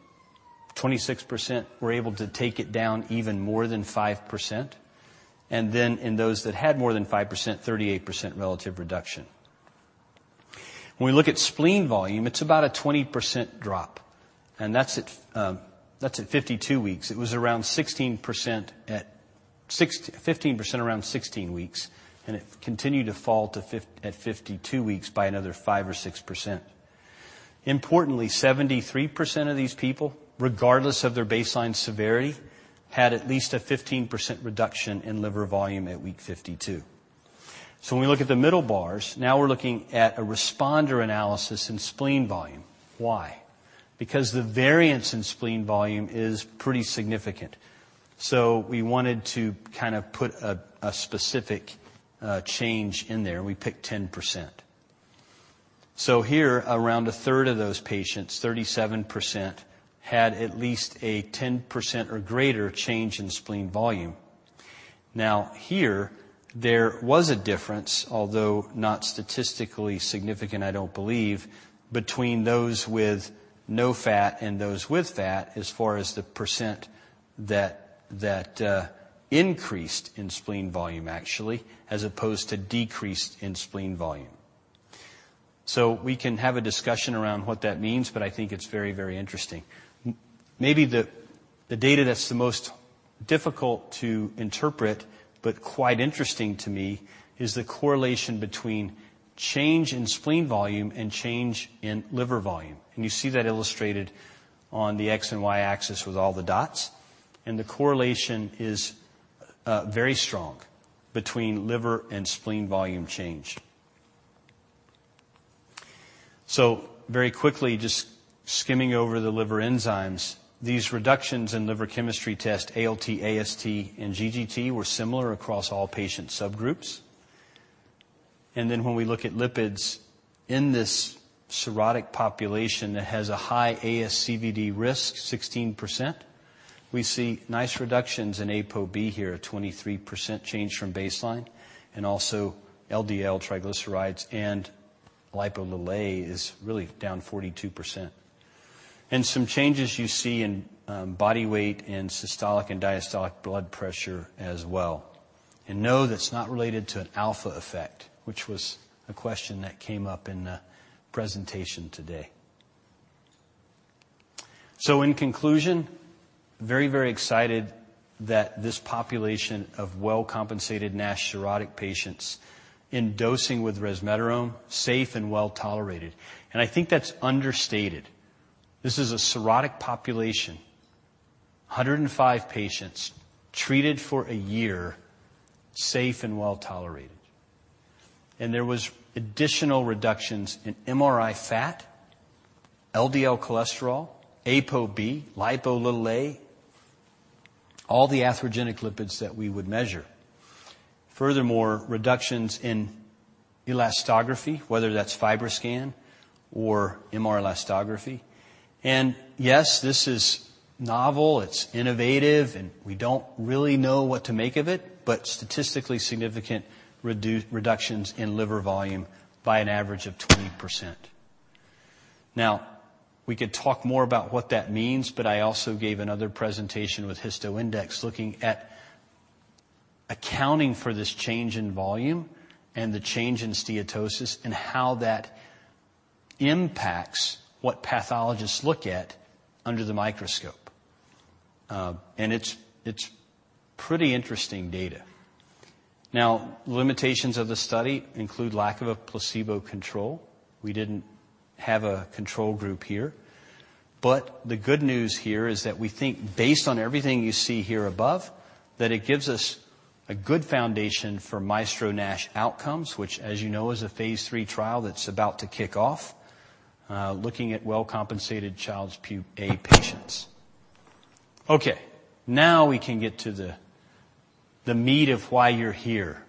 26% were able to take it down even more than 5%. In those that had more than 5%, 38% relative reduction. When we look at spleen volume, it's about a 20% drop, and that's at, that's at 52 weeks. It was around 16% fifteen percent around 16 weeks, and it continued to fall at 52 weeks by another 5 or 6%. Importantly, 73% of these people, regardless of their baseline severity, had at least a 15% reduction in liver volume at week 52. When we look at the middle bars, now we're looking at a responder analysis in spleen volume. Why? Because the variance in spleen volume is pretty significant. We wanted to kind of put a specific change in there. We picked 10%. Here, around a third of those patients, 37%, had at least a 10% or greater change in spleen volume. Now here, there was a difference, although not statistically significant, I don't believe, between those with no fat and those with fat as far as the percent that increased in spleen volume actually, as opposed to decreased in spleen volume. We can have a discussion around what that means, but I think it's very, very interesting. Maybe the data that's the most difficult to interpret, but quite interesting to me is the correlation between change in spleen volume and change in liver volume. You see that illustrated on the X and Y-axis with all the dots. The correlation is very strong between liver and spleen volume change. Very quickly, just skimming over the liver enzymes. These reductions in liver chemistry test ALT, AST, and GGT were similar across all patient subgroups. Then when we look at lipids in this cirrhotic population that has a high ASCVD risk, 16%, we see nice reductions in ApoB here, a 23% change from baseline. Also LDL, triglycerides, and Lp(a) is really down 42%. Some changes you see in body weight and systolic and diastolic blood pressure as well. No, that's not related to an alpha effect, which was a question that came up in the presentation today. In conclusion, very, very excited that this population of well-compensated NASH cirrhotic patients in dosing with resmetirom, safe and well-tolerated. I think that's understated. This is a cirrhotic population. 105 patients treated for a year, safe and well-tolerated. There was additional reductions in MRI fat, LDL cholesterol, ApoB, Lp(a), all the atherogenic lipids that we would measure. Furthermore, reductions in elastography, whether that's FibroScan or MR Elastography. Yes, this is novel, it's innovative, and we don't really know what to make of it, but statistically significant reductions in liver volume by an average of 20%. Now, we could talk more about what that means, but I also gave another presentation with HistoIndex looking at accounting for this change in volume and the change in steatosis and how that impacts what pathologists look at under the microscope. It's pretty interesting data. Now, limitations of the study include lack of a placebo control. We didn't have a control group here. The good news here is that we think based on everything you see here above, that it gives us a good foundation for MAESTRO-NASH Outcomes, which as you know, is a phase III trial that's about to kick off, looking at well-compensated Child-Pugh A patients. Okay. Now we can get to the meat of why you're here.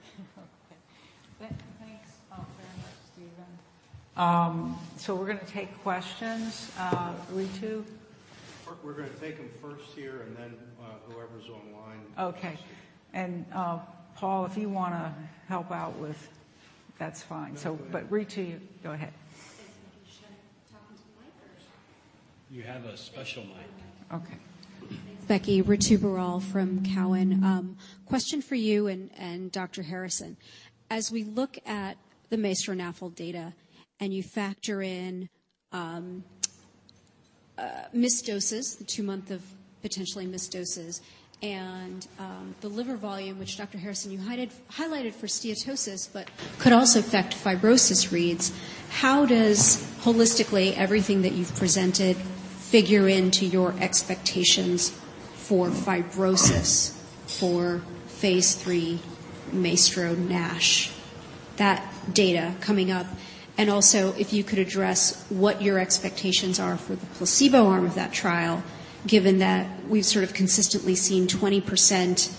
Okay. Thanks, very much, Stephen. We're gonna take questions. Ritu? We're gonna take them first here and then, whoever's online. Okay. That's fine. That's okay. Ritu, go ahead. Thanks. Should I talk into the mic or should I? You have a special mic. Okay. Okay. Thanks, Becky. Ritu Baral from Cowen. Question for you and Dr. Harrison. As we look at the MAESTRO-NAFLD data, and you factor in missed doses, the two months of potentially missed doses and the liver volume, which Dr. Harrison, you highlighted for steatosis, but could also affect fibrosis reads, how does holistically everything that you've presented figure into your expectations for fibrosis for phase III MAESTRO-NASH? That data coming up. Also if you could address what your expectations are for the placebo arm of that trial, given that we've sort of consistently seen 20%,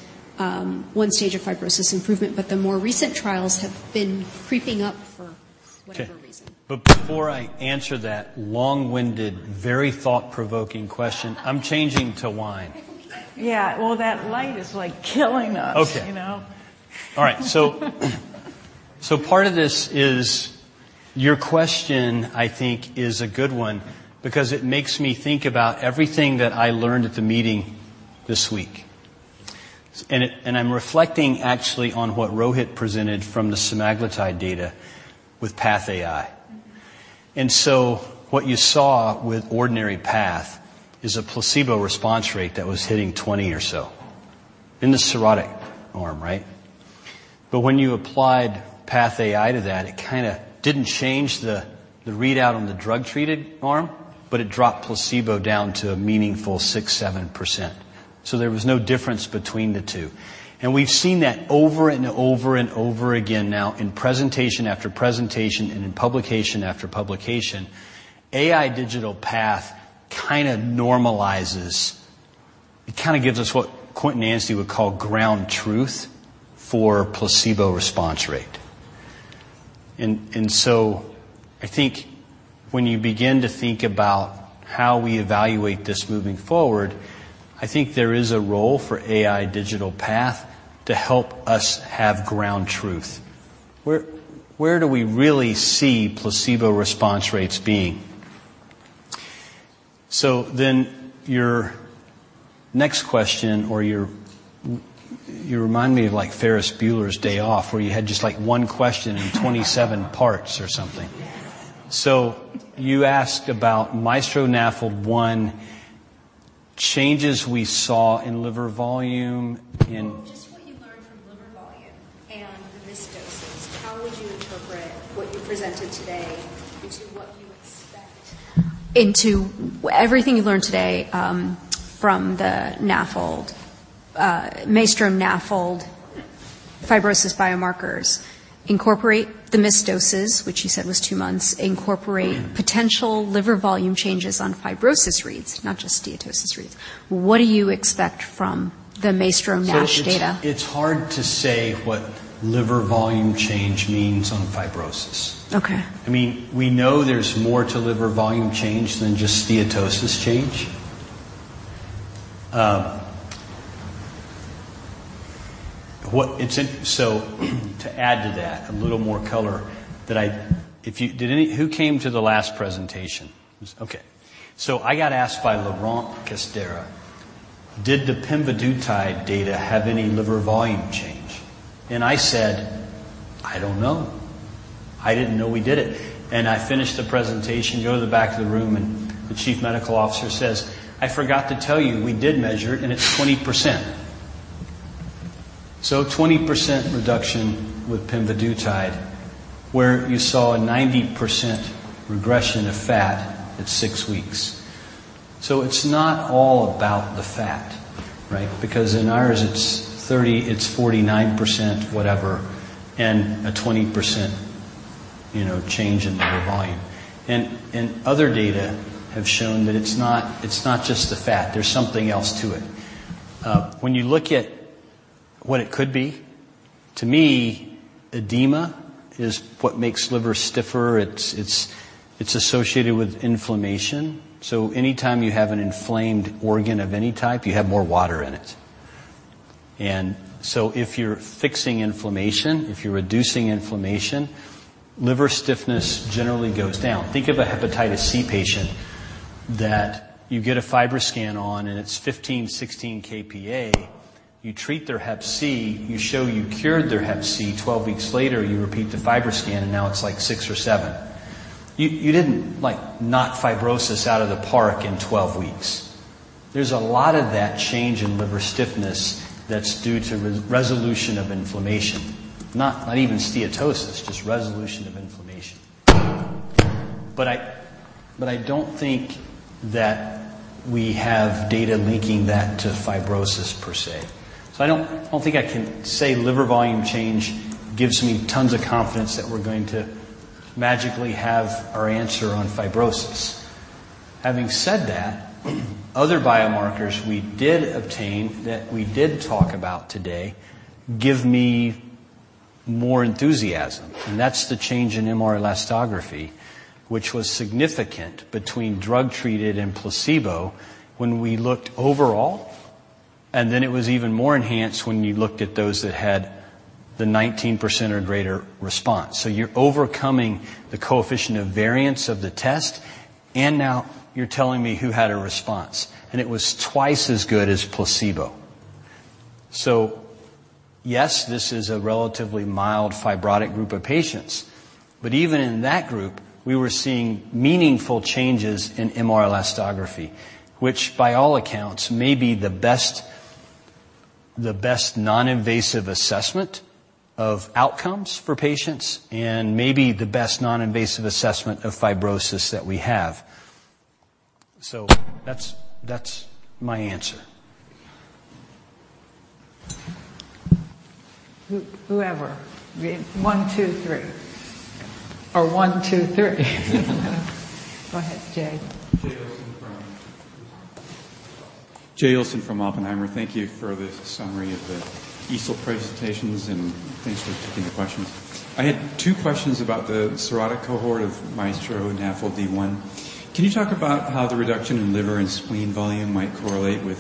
one stage of fibrosis improvement, but the more recent trials have been creeping up for whatever reason. Okay. Before I answer that long-winded, very thought-provoking question, I'm changing to wine. Yeah. Well, that light is like killing us. Okay. You know? All right. Part of this is your question I think is a good one because it makes me think about everything that I learned at the meeting this week. I'm reflecting actually on what Rohit presented from the semaglutide data with PathAI. What you saw with ordinary path is a placebo response rate that was hitting 20 or so in the cirrhotic arm, right? When you applied PathAI to that, it kind of didn't change the readout on the drug-treated arm, but it dropped placebo down to a meaningful 6, 7%. There was no difference between the two. We've seen that over and over and over again now in presentation after presentation and in publication after publication. AI digital pathology kind of normalizes. It kind of gives us what Quint and Nancy would call ground truth for placebo response rate. I think when you begin to think about how we evaluate this moving forward, I think there is a role for AI digital pathology to help us have ground truth. Where do we really see placebo response rates being? Your next question. You remind me of, like, Ferris Bueller's Day Off, where you had just, like, one question in 27 parts or something. Yes. You asked about MAESTRO-NAFLD-1 changes we saw in liver volume. Well, just what you learned from liver volume and the missed doses. How would you interpret what you presented today into what you expect? Into everything you've learned today, from the NAFLD, MAESTRO-NAFLD fibrosis biomarkers. Incorporate the missed doses, which you said was two months. Incorporate potential liver volume changes on fibrosis reads, not just steatosis reads. What do you expect from the MAESTRO-NASH data? It's hard to say what liver volume change means on fibrosis. Okay. I mean, we know there's more to liver volume change than just steatosis change. To add to that, a little more color. Who came to the last presentation? Okay. I got asked by Laurent Castera, "Did the pemvidutide data have any liver volume change?" I said, "I don't know. I didn't know we did it." I finished the presentation, go to the back of the room, and the chief medical officer says, "I forgot to tell you. We did measure it, and it's 20%." 20% reduction with pemvidutide, where you saw a 90% regression of fat at six weeks. It's not all about the fat, right? Because in ours, it's 30, it's 49%, whatever, and a 20%, you know, change in liver volume. Other data have shown that it's not just the fat. There's something else to it. When you look at what it could be, to me, edema is what makes liver stiffer. It's associated with inflammation. So anytime you have an inflamed organ of any type, you have more water in it. If you're fixing inflammation, if you're reducing inflammation, liver stiffness generally goes down. Think of a hepatitis C patient that you get a FibroScan on, and it's 15, 16 kPa. You treat their hep C. You show you cured their hep C. 12 weeks later, you repeat the FibroScan, and now it's, like, six or seven. You didn't, like, knock fibrosis out of the park in 12 weeks. There's a lot of that change in liver stiffness that's due to resolution of inflammation. Not even steatosis, just resolution of inflammation. I don't think that we have data linking that to fibrosis per se. I don't think I can say liver volume change gives me tons of confidence that we're going to magically have our answer on fibrosis. Having said that, other biomarkers we did obtain, that we did talk about today, give me more enthusiasm, and that's the change in MR Elastography, which was significant between drug-treated and placebo when we looked overall. Then it was even more enhanced when you looked at those that had the 19% or greater response. You're overcoming the coefficient of variation of the test, and now you're telling me who had a response, and it was twice as good as placebo. Yes, this is a relatively mild fibrotic group of patients. Even in that group, we were seeing meaningful changes in MR Elastography, which by all accounts may be the best noninvasive assessment of outcomes for patients and maybe the best noninvasive assessment of fibrosis that we have. That's my answer. Whoever. one, two, three. Or one, two, three. Go ahead, Jay. Jay Olson from Oppenheimer. Thank you for the summary of the EASL presentations, and thanks for taking the questions. I had two questions about the cirrhotic cohort of MAESTRO-NAFLD-1. Can you talk about how the reduction in liver and spleen volume might correlate with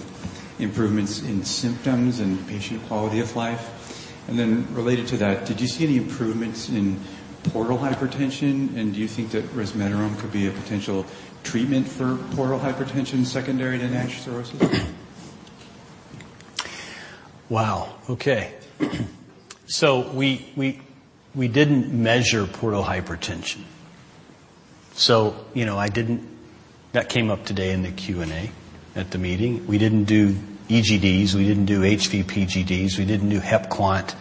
improvements in symptoms and patient quality of life? Related to that, did you see any improvements in portal hypertension, and do you think that resmetirom could be a potential treatment for portal hypertension secondary to NASH cirrhosis? Wow. Okay. We didn't measure portal hypertension. You know, that came up today in the Q&A at the meeting. We didn't do EGDs, we didn't do HVPGs, we didn't do HepQuant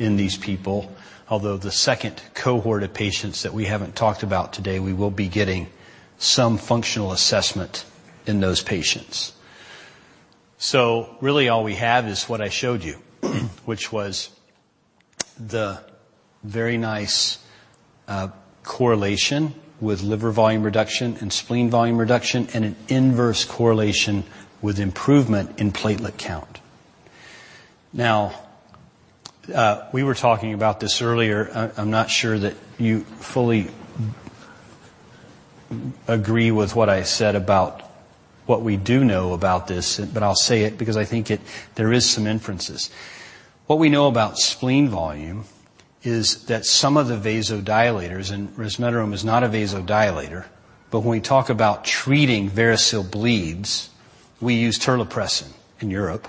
in these people. Although the second cohort of patients that we haven't talked about today, we will be getting some functional assessment in those patients. Really all we have is what I showed you, which was the very nice correlation with liver volume reduction and spleen volume reduction and an inverse correlation with improvement in platelet count. Now, we were talking about this earlier. I'm not sure that you fully agree with what I said about what we do know about this, but I'll say it because I think there is some inferences. What we know about spleen volume is that some of the vasodilators, and resmetirom is not a vasodilator, but when we talk about treating variceal bleeds, we use terlipressin in Europe,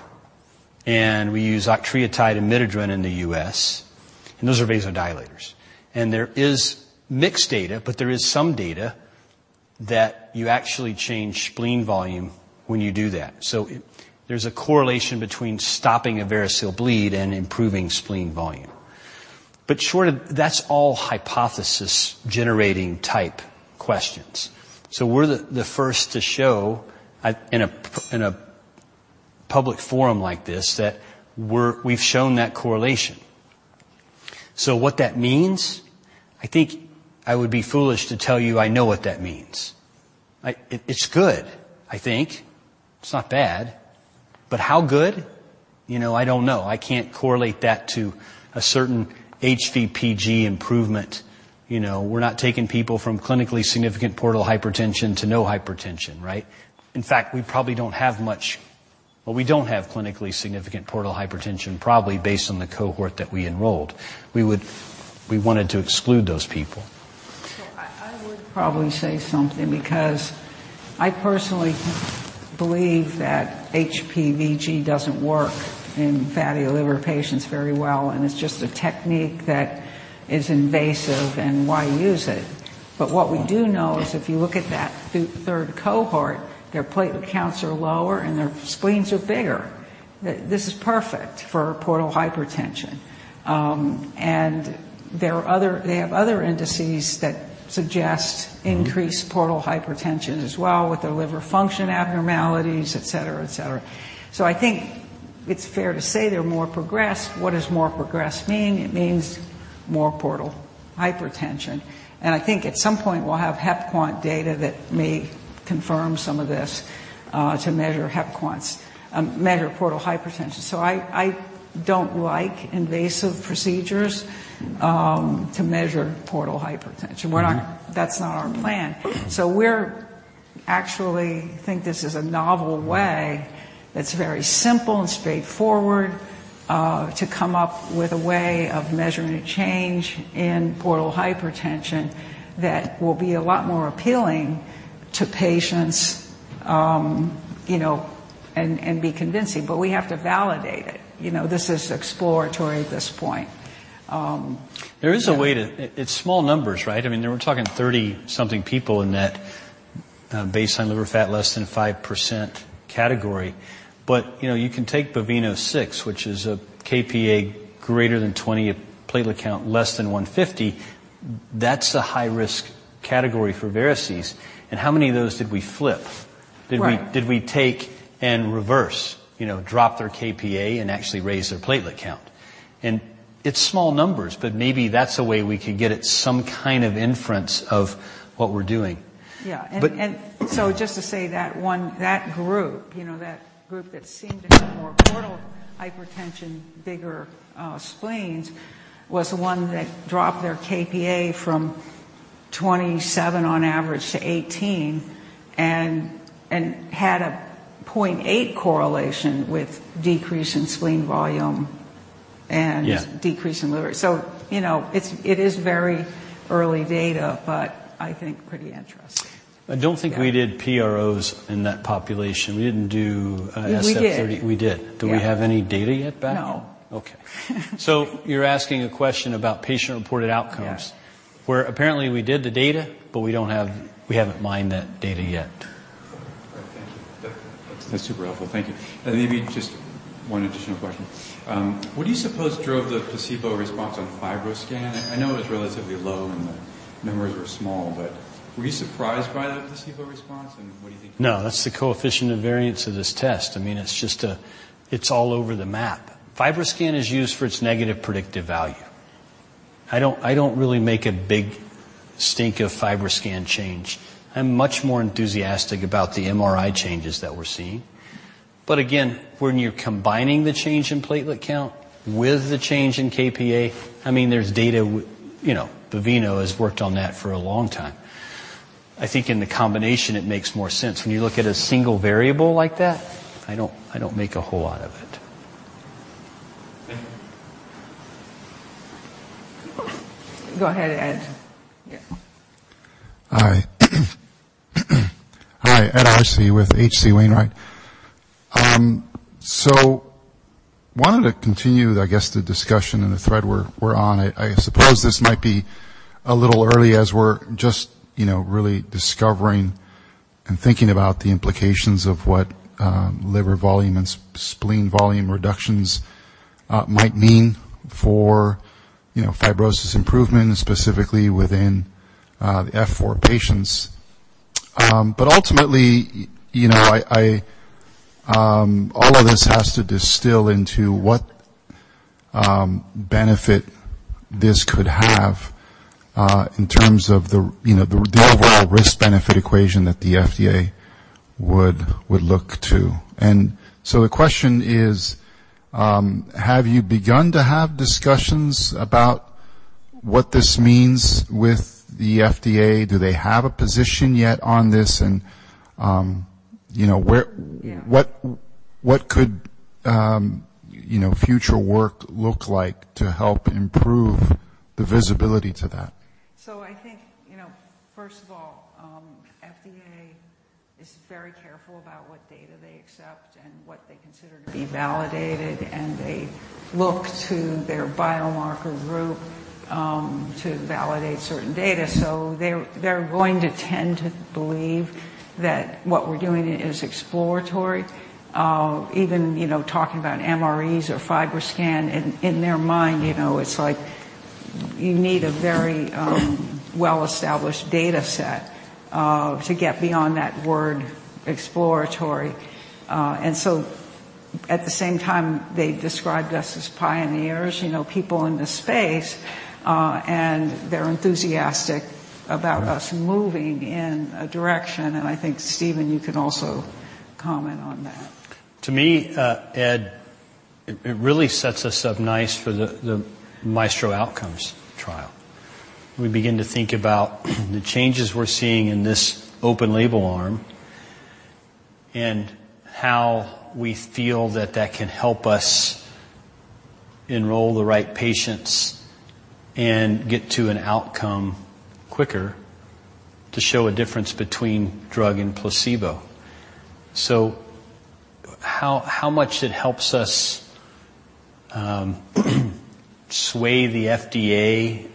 and we use octreotide and midodrine in the U.S., and those are vasodilators. There is mixed data, but there is some data that you actually change spleen volume when you do that. There's a correlation between stopping a variceal bleed and improving spleen volume. That's all hypothesis-generating type questions. We're the first to show in a public forum like this that we've shown that correlation. What that means, I think I would be foolish to tell you I know what that means. It's good, I think. It's not bad. But how good? You know, I don't know. I can't correlate that to a certain HVPG improvement. You know, we're not taking people from clinically significant portal hypertension to no hypertension, right? In fact, we probably don't have much. Well, we don't have clinically significant portal hypertension probably based on the cohort that we enrolled. We wanted to exclude those people. I would probably say something because I personally believe that HVPG doesn't work in fatty liver patients very well, and it's just a technique that is invasive, and why use it? What we do know is if you look at that third cohort, their platelet counts are lower, and their spleens are bigger. This is perfect for portal hypertension. There are other indices that suggest. Mm-hmm. Increased portal hypertension as well with their liver function abnormalities, et cetera, et cetera. I think it's fair to say they're more progressed. What does more progressed mean? It means more portal hypertension. I think at some point we'll have HepQuant data that may confirm some of this, to measure HepQuant, measure portal hypertension. I don't like invasive procedures to measure portal hypertension. That's not our plan. We're actually think this is a novel way that's very simple and straightforward, to come up with a way of measuring a change in portal hypertension that will be a lot more appealing to patients, you know, and be convincing. We have to validate it. You know, this is exploratory at this point. It's small numbers, right? I mean, we're talking 30-something people in that baseline liver fat less than 5% category. You know, you can take Baveno VI, which is a kPa greater than 20, a platelet count less than 150. That's a high-risk category for varices. How many of those did we flip? Right. Did we take and reverse? You know, drop their kPa and actually raise their platelet count. It's small numbers, but maybe that's a way we could get at some kind of inference of what we're doing. Yeah. But- Just to say that one, that group, you know, that group that seemed to have more portal hypertension, bigger spleens, was the one that dropped their kPa from 27 on average to 18 and had a 0.8 correlation with decrease in spleen volume and Yeah. Decrease in liver. You know, it is very early data, but I think pretty interesting. I don't think we did PROs in that population. We didn't do SF-36. We did. We did? Yeah. Do we have any data yet back? No. Okay. You're asking a question about patient-reported outcomes. Yeah. Where apparently we did the data, but we haven't mined that data yet. All right. Thank you. That's super helpful. Thank you. Maybe just one additional question. What do you suppose drove the placebo response on FibroScan? I know it was relatively low and the numbers were small, but were you surprised by the placebo response, and what do you think? No, that's the coefficient of variation of this test. I mean, it's just a. It's all over the map. FibroScan is used for its negative predictive value. I don't really make a big stink of FibroScan change. I'm much more enthusiastic about the MRI changes that we're seeing. Again, when you're combining the change in platelet count with the change in kPa, I mean, there's data. You know, Baveno has worked on that for a long time. I think in the combination, it makes more sense. When you look at a single variable like that, I don't make a whole lot of it. Thank you. Go ahead, Ed. Yeah. Hi. Hi, Ed Arce with H.C. Wainwright. Wanted to continue, I guess, the discussion and the thread we're on. I suppose this might be a little early as we're just, you know, really discovering and thinking about the implications of what, liver volume and spleen volume reductions, might mean for, you know, fibrosis improvement, specifically within, the F4 patients. But ultimately, you know, all of this has to distill into what, benefit this could have, in terms of the, you know, the overall risk-benefit equation that the FDA would look to. The question is, have you begun to have discussions about what this means with the FDA? Do they have a position yet on this? And, you know, where- Yeah. What could, you know, future work look like to help improve the visibility to that? I think, you know, first of all, FDA is very careful about what data they accept and what they consider to be validated, and they look to their biomarker group, to validate certain data. They're going to tend to believe that what we're doing is exploratory. Even, you know, talking about MREs or FibroScan. In their mind, you know, it's like you need a very, well-established data set, to get beyond that word exploratory. At the same time, they described us as pioneers, you know, people in the space. They're enthusiastic about us moving in a direction. I think, Stephen, you can also comment on that. To me, Ed, it really sets us up nice for the MAESTRO outcomes trial. We begin to think about the changes we're seeing in this open-label arm and how we feel that can help us enroll the right patients and get to an outcome quicker to show a difference between drug and placebo. How much it helps us sway the FDA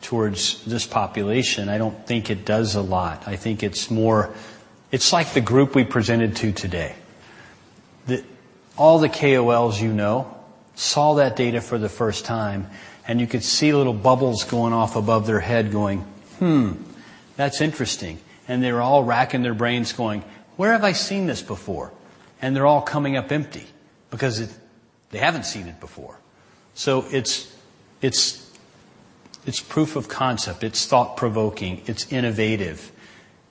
towards this population, I don't think it does a lot. I think it's more. It's like the group we presented to today. All the KOLs you know saw that data for the first time, and you could see little bubbles going off above their head going, "Hmm, that's interesting." They're all racking their brains, going, "Where have I seen this before?" They're all coming up empty because they haven't seen it before. It's proof of concept. It's thought-provoking. It's innovative.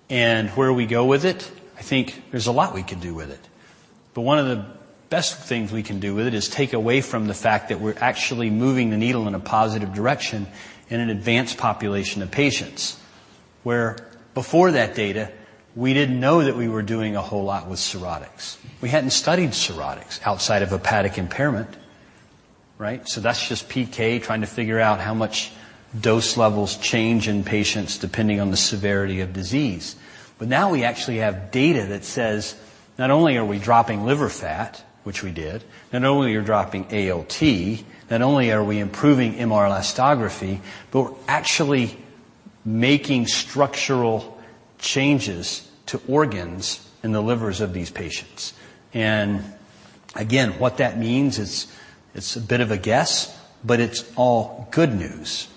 Where we go with it, I think there's a lot we can do with it. One of the best things we can do with it is take away from the fact that we're actually moving the needle in a positive direction in an advanced population of patients. Where before that data, we didn't know that we were doing a whole lot with cirrhotics. We hadn't studied cirrhotics outside of hepatic impairment, right? That's just PK trying to figure out how much dose levels change in patients depending on the severity of disease. Now we actually have data that says not only are we dropping liver fat, which we did, not only are you dropping ALT, not only are we improving MR Elastography, but we're actually making structural changes to organs in the livers of these patients. Again, what that means is it's a bit of a guess, but it's all good news,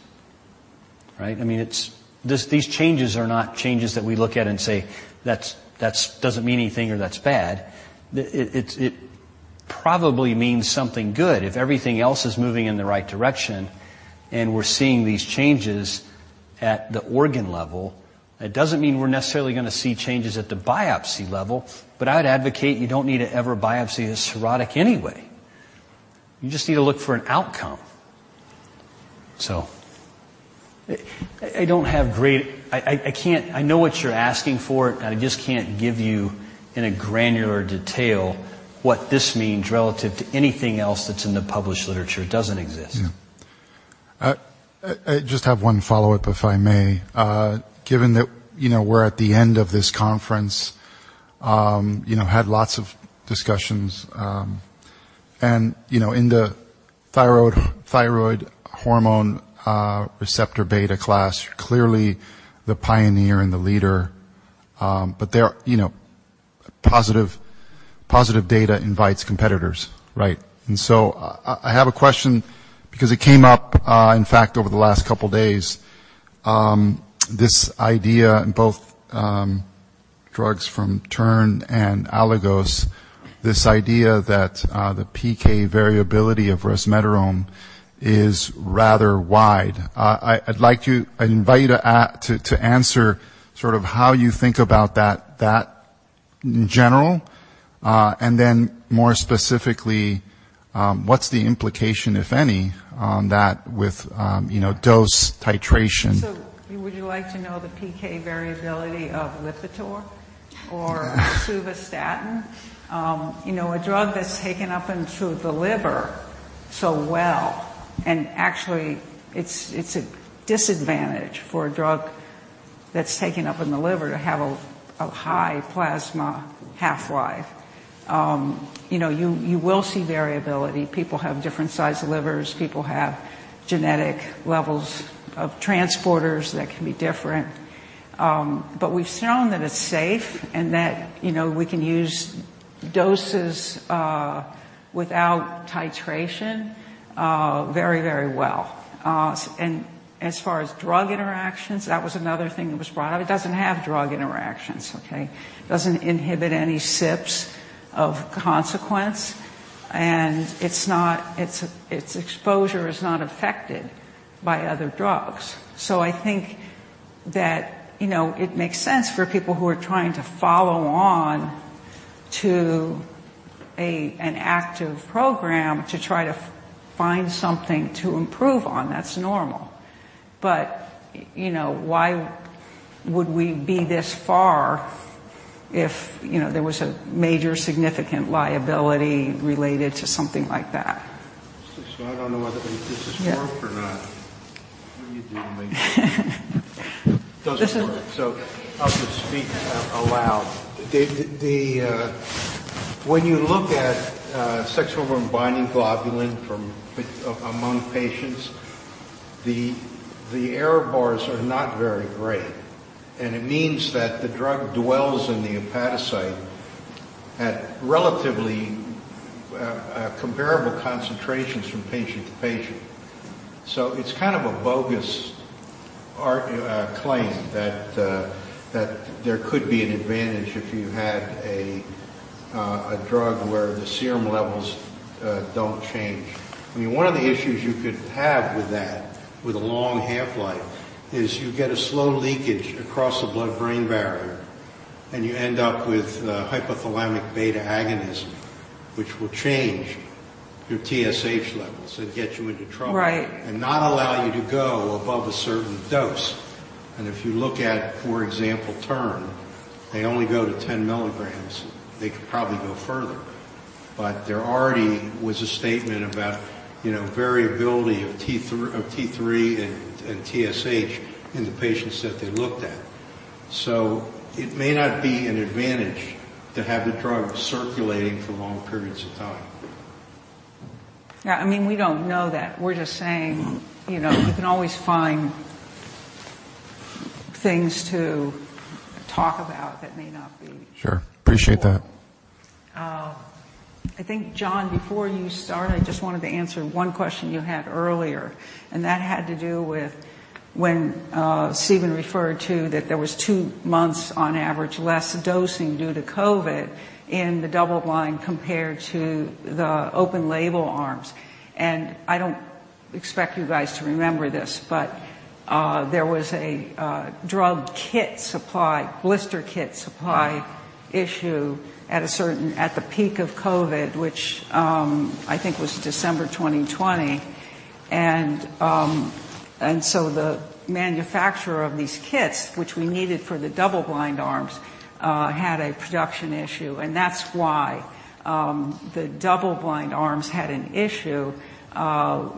right? I mean, it's these changes are not changes that we look at and say, "That doesn't mean anything," or, "That's bad." It probably means something good if everything else is moving in the right direction and we're seeing these changes at the organ level. It doesn't mean we're necessarily gonna see changes at the biopsy level, but I'd advocate you don't need to ever biopsy a cirrhotic anyway. You just need to look for an outcome. I don't have great. I can't. I know what you're asking for. I just can't give you in a granular detail what this means relative to anything else that's in the published literature. It doesn't exist. Yeah. I just have one follow-up, if I may. Given that, you know, we're at the end of this conference, you know, had lots of discussions. You know, in the thyroid hormone receptor beta class, you're clearly the pioneer and the leader. There are, you know, positive data invites competitors, right? I have a question because it came up, in fact, over the last couple days. This idea in both drugs from Terns and Aligos, this idea that the PK variability of resmetirom is rather wide. I invite you to answer sort of how you think about that in general. Then more specifically, what's the implication, if any, on that with, you know, dose titration? Would you like to know the PK variability of Lipitor or atorvastatin? You know, a drug that's taken up into the liver so well, and actually, it's a disadvantage for a drug that's taken up in the liver to have a high plasma half-life. You know, you will see variability. People have different size livers. People have genetic levels of transporters that can be different. But we've shown that it's safe and that, you know, we can use doses without titration very well. And as far as drug interactions, that was another thing that was brought up. It doesn't have drug interactions, okay? It doesn't inhibit any CYPs of consequence, and it's not its exposure is not affected by other drugs. I think that, you know, it makes sense for people who are trying to follow on to a, an active program to try to find something to improve on. That's normal. You know, why would we be this far if, you know, there was a major significant liability related to something like that? I don't know whether this is worked or not. Yeah. What do you do when? This is- It doesn't work, so I'll just speak aloud. When you look at sex hormone-binding globulin among patients, the error bars are not very great, and it means that the drug dwells in the hepatocyte at relatively comparable concentrations from patient to patient. It's kind of a bogus claim that there could be an advantage if you had a drug where the serum levels don't change. I mean, one of the issues you could have with that, with a long half-life, is you get a slow leakage across the blood-brain barrier, and you end up with hypothalamic beta agonism, which will change your TSH levels and get you into trouble. Right. not allow you to go above a certain dose. If you look at, for example, Terns, they only go to 10 mg. They could probably go further. There already was a statement about, you know, variability of T3 and TSH in the patients that they looked at. It may not be an advantage to have the drug circulating for long periods of time. Yeah, I mean, we don't know that. We're just saying, you know, you can always find things to talk about that may not be. Sure. Appreciate that. I think, John, before you start, I just wanted to answer one question you had earlier, and that had to do with when Stephen referred to that there was two months on average less dosing due to COVID in the double-blind compared to the open label arms. I don't expect you guys to remember this, but there was a drug kit supply, blister kit supply issue at the peak of COVID, which I think was December 2020. And so the manufacturer of these kits, which we needed for the double-blind arms, had a production issue, and that's why the double-blind arms had an issue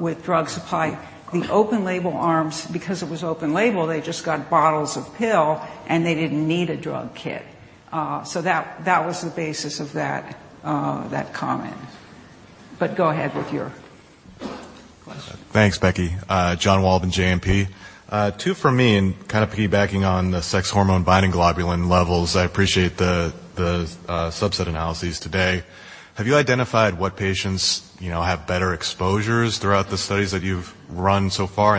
with drug supply. The open label arms, because it was open label, they just got bottles of pill, and they didn't need a drug kit. That was the basis of that comment. Go ahead with your question. Thanks, Becky. Jon Wolleben, JMP. Two from me and kinda piggybacking on the sex hormone-binding globulin levels. I appreciate the subset analyses today. Have you identified what patients, you know, have better exposures throughout the studies that you've run so far?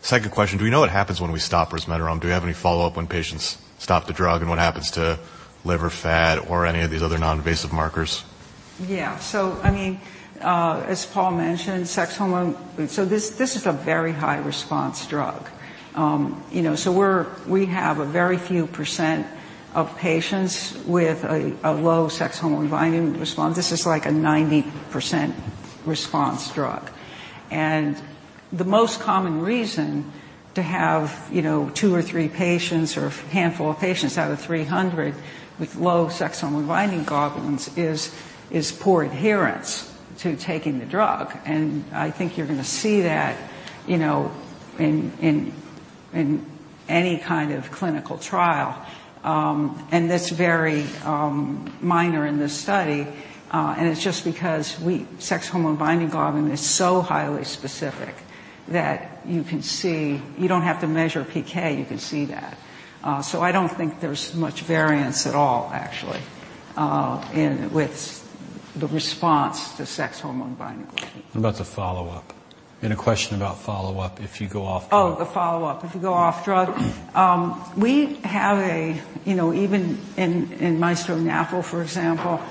Second question, do we know what happens when we stop resmetirom? Do we have any follow-up when patients stop the drug and what happens to liver fat or any of these other non-invasive markers? Yeah. I mean, as Paul mentioned, sex hormone-binding globulin. This is a very high response drug. You know, we have a very few % of patients with a low sex hormone-binding globulin response. This is like a 90% response drug. The most common reason to have, you know, two or three patients or a handful of patients out of 300 with low sex hormone-binding globulins is poor adherence to taking the drug. I think you're gonna see that, you know, in any kind of clinical trial. That's very minor in this study, and it's just because sex hormone-binding globulin is so highly specific that you can see. You don't have to measure PK. You can see that. I don't think there's much variance at all actually, in the response to sex hormone-binding globulin. What about the follow-up? In a question about follow-up, if you go off drug. Oh, the follow-up. If you go off drug. We have a four-week follow-up, you know, even in MAESTRO-NAFLD, for example,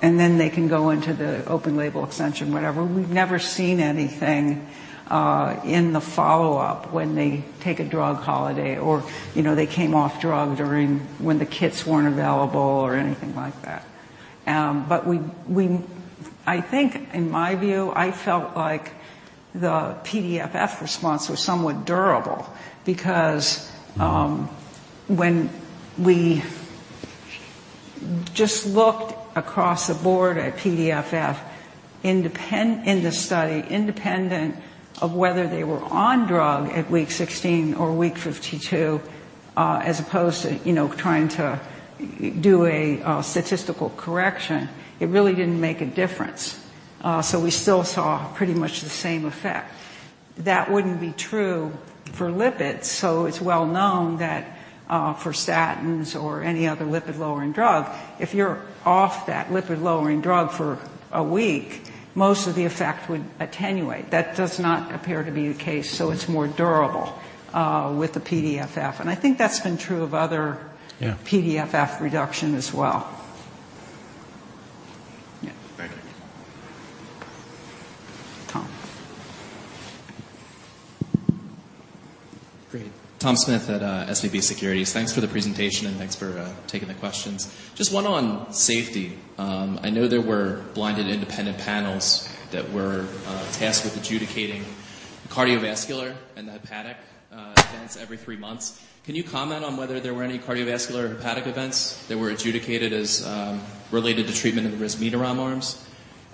and then they can go into the open label extension, whatever. We've never seen anything in the follow-up when they take a drug holiday or, you know, they came off drug during when the kits weren't available or anything like that. I think in my view, I felt like the PDFF response was somewhat durable because- Mm-hmm. When we just looked across the board at PDFF in the study, independent of whether they were on drug at week 16 or week 52, as opposed to, you know, trying to do a statistical correction, it really didn't make a difference. We still saw pretty much the same effect. That wouldn't be true for lipids. It's well known that, for statins or any other lipid-lowering drug, if you're off that lipid-lowering drug for a week, most of the effect would attenuate. That does not appear to be the case, so it's more durable with the PDFF. I think that's been true of other Yeah. PDFF reduction as well. Yeah. Thank you. Tom. Great. Tom Smith at SVB Securities. Thanks for the presentation, and thanks for taking the questions. Just one on safety. I know there were blinded independent panels that were tasked with adjudicating cardiovascular and the hepatic events every three months. Can you comment on whether there were any cardiovascular or hepatic events that were adjudicated as related to treatment in the resmetirom arms?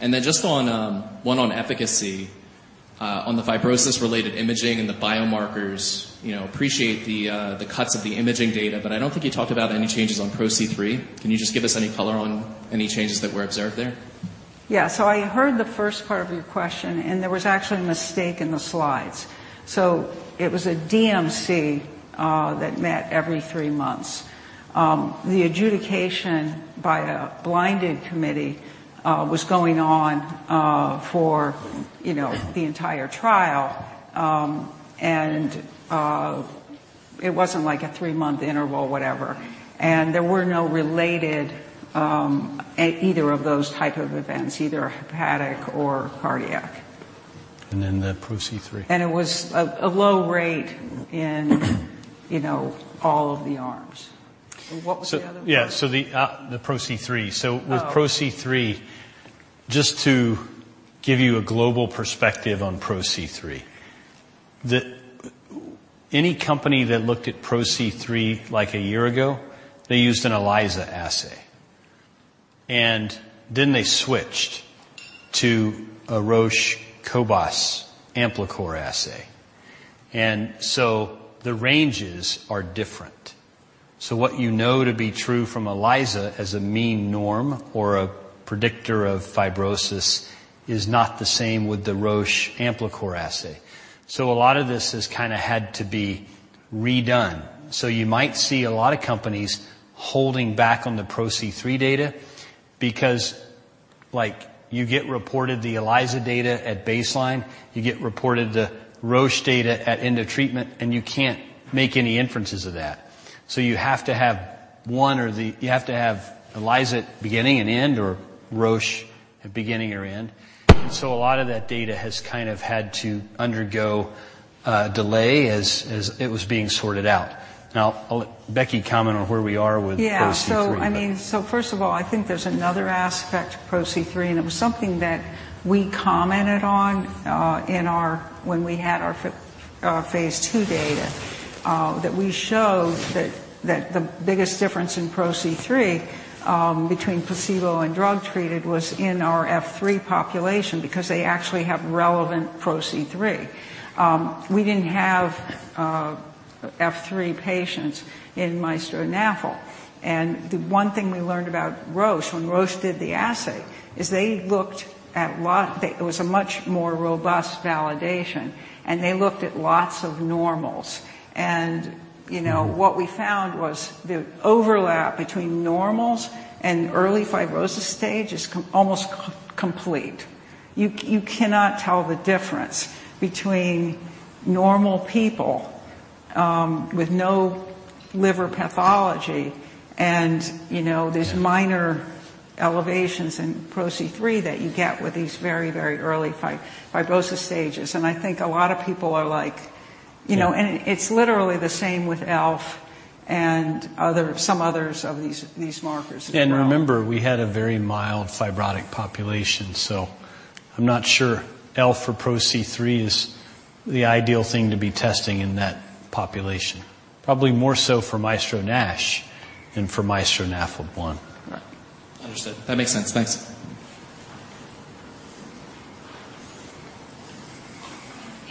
Just on one on efficacy on the fibrosis-related imaging and the biomarkers. You know, appreciate the the cuts of the imaging data, but I don't think you talked about any changes on PRO-C3. Can you just give us any color on any changes that were observed there? Yeah. I heard the first part of your question, and there was actually a mistake in the slides. It was a DMC that met every three months. The adjudication by a blinded committee was going on for you know the entire trial. It wasn't like a three-month interval, whatever. There were no related either of those type of events, either hepatic or cardiac. And then the PRO-C3. It was a low rate in, you know, all of the arms. What was the other part? Yeah. The PRO-C3. Oh. With PRO-C3, just to give you a global perspective on PRO-C3. Any company that looked at PRO-C3, like a year ago, they used an ELISA assay, and then they switched to a Roche COBAS AMPLICOR assay. The ranges are different. What you know to be true from ELISA as a mean norm or a predictor of fibrosis is not the same with the Roche COBAS AMPLICOR assay. A lot of this has kind of had to be redone. You might see a lot of companies holding back on the PRO-C3 data because, like, you get reported the ELISA data at baseline. You get reported the Roche data at end of treatment, and you can't make any inferences of that. You have to have one or the You have to have ELISA at beginning and end or Roche at beginning or end. A lot of that data has kind of had to undergo delay as it was being sorted out. Now, I'll let Becky comment on where we are with PRO-C3. Yeah. I mean, first of all, I think there's another aspect to PRO-C3, and it was something that we commented on in our phase II data. That we showed that the biggest difference in PRO-C3 between placebo and drug-treated was in our F3 population because they actually have relevant PRO-C3. We didn't have F3 patients in MAESTRO-NAFLD. The one thing we learned about Roche when Roche did the assay is they looked at lots. It was a much more robust validation, and they looked at lots of normals. You know, what we found was the overlap between normals and early fibrosis stage is almost complete. You cannot tell the difference between normal people with no liver pathology and, you know, these minor elevations in PRO-C3 that you get with these very, very early fibrosis stages. I think a lot of people are like, you know. Yeah. It's literally the same with ELF and other, some others of these markers as well. Remember, we had a very mild fibrotic population, so I'm not sure ELF or PRO-C3 is the ideal thing to be testing in that population. Probably more so for MAESTRO-NASH than for MAESTRO-NAFLD-1. Right. Understood. That makes sense. Thanks.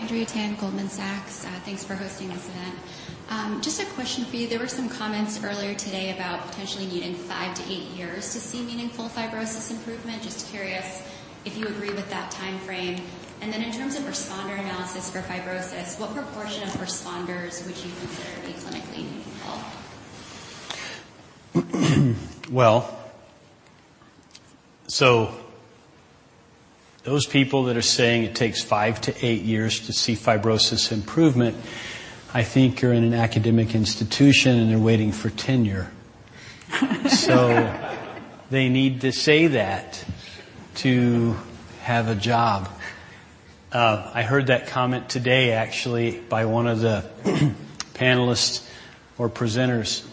Mm-hmm. Andrea Tan, Goldman Sachs. Thanks for hosting this event. Just a question for you. There were some comments earlier today about potentially needing five to eight years to see meaningful fibrosis improvement. Just curious if you agree with that timeframe. In terms of responder analysis for fibrosis, what proportion of responders would you consider to be clinically meaningful? Those people that are saying it takes five to eight years to see fibrosis improvement, I think are in an academic institution, and they're waiting for tenure. They need to say that to have a job. I heard that comment today actually by one of the panelists or presenters.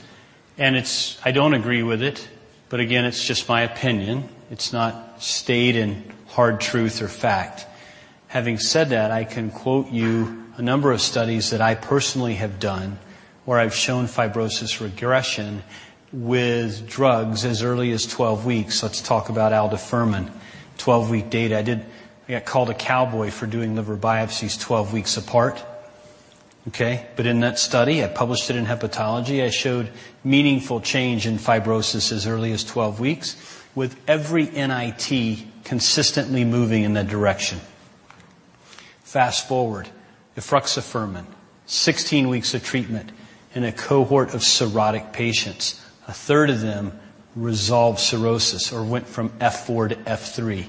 It's. I don't agree with it, but again, it's just my opinion. It's not stated in hard truth or fact. Having said that, I can quote you a number of studies that I personally have done where I've shown fibrosis regression with drugs as early as 12 weeks. Let's talk about aldafermin, 12-week data. I got called a cowboy for doing liver biopsies 12 weeks apart. Okay. In that study, I published it in Hepatology. I showed meaningful change in fibrosis as early as 12 weeks, with every NIT consistently moving in that direction. Fast-forward. efruxifermin. 16 weeks of treatment in a cohort of cirrhotic patients. A third of them resolved cirrhosis or went from F4 to F3.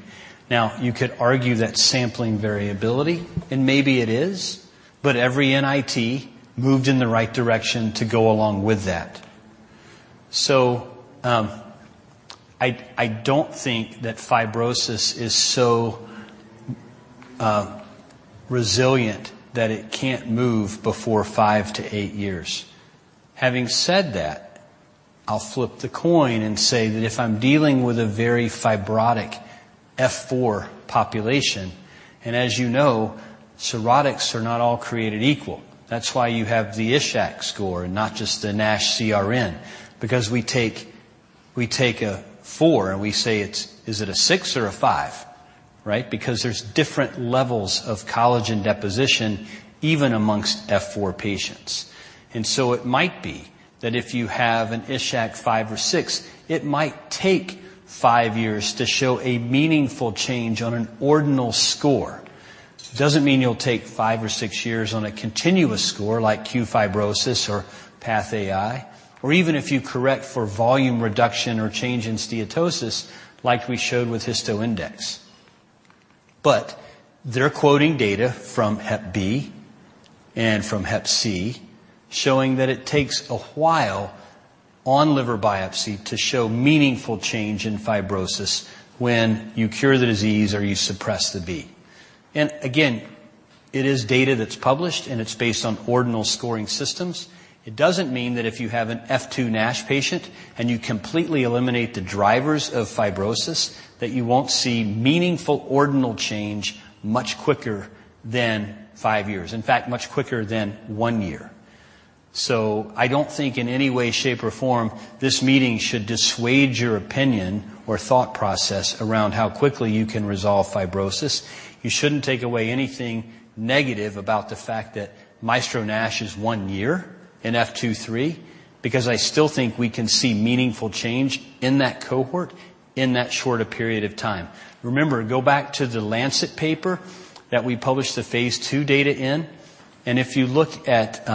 Now, you could argue that's sampling variability, and maybe it is, but every NIT moved in the right direction to go along with that. I don't think that fibrosis is so resilient that it can't move before five to eight years. Having said that, I'll flip the coin and say that if I'm dealing with a very fibrotic F4 population, and as you know, cirrhosis are not all created equal. That's why you have the Ishak score and not just the NASH CRN. Because we take a four, and we say is it a six or a five, right? Because there's different levels of collagen deposition even amongst F4 patients. It might be that if you have an Ishak five or six, it might take five years to show a meaningful change on an ordinal score. It doesn't mean you'll take five or six years on a continuous score like qFibrosis or PathAI or even if you correct for volume reduction or change in steatosis, like we showed with HistoIndex. They're quoting data from hep B and from hep C, showing that it takes a while on liver biopsy to show meaningful change in fibrosis when you cure the disease or you suppress the B. It is data that's published, and it's based on ordinal scoring systems. It doesn't mean that if you have an F2 NASH patient and you completely eliminate the drivers of fibrosis, that you won't see meaningful ordinal change much quicker than five years. In fact, much quicker than one year. I don't think in any way, shape, or form this meeting should dissuade your opinion or thought process around how quickly you can resolve fibrosis. You shouldn't take away anything negative about the fact that MAESTRO-NASH is 1 year in F2/F3, because I still think we can see meaningful change in that cohort in that short a period of time. Remember, go back to The Lancet paper that we published the phase II data in, and if you look at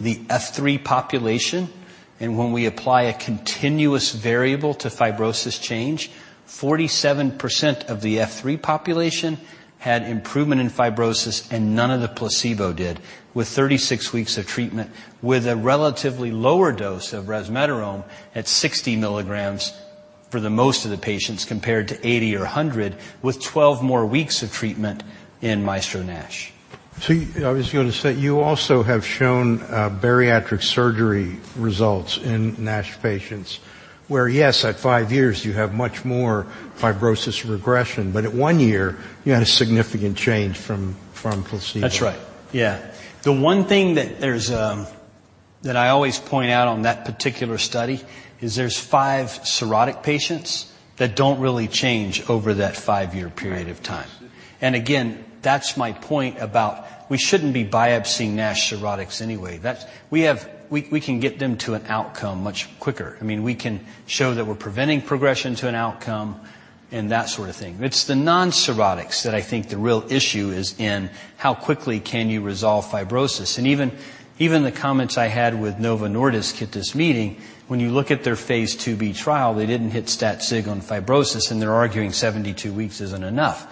the F3 population and when we apply a continuous variable to fibrosis change, 47% of the F3 population had improvement in fibrosis and none of the placebo did with 36 weeks of treatment. With a relatively lower dose of resmetirom at 60 mg for the most of the patients compared to 80 or 100 with 12 more weeks of treatment in MAESTRO-NASH. I was going to say, you also have shown, bariatric surgery results in NASH patients where, yes, at five years you have much more fibrosis regression, but at 1 year you had a significant change from placebo. That's right. Yeah. The one thing that there's that I always point out on that particular study is there's five cirrhotic patients that don't really change over that five-year period of time. Again, that's my point about we shouldn't be biopsying NASH cirrhotic anyway. We can get them to an outcome much quicker. I mean, we can show that we're preventing progression to an outcome and that sort of thing. It's the non-cirrhotics that I think the real issue is in how quickly can you resolve fibrosis. Even the comments I had with Novo Nordisk at this meeting, when you look at their phase II-B trial, they didn't hit stat sig on fibrosis, and they're arguing 72 weeks isn't enough.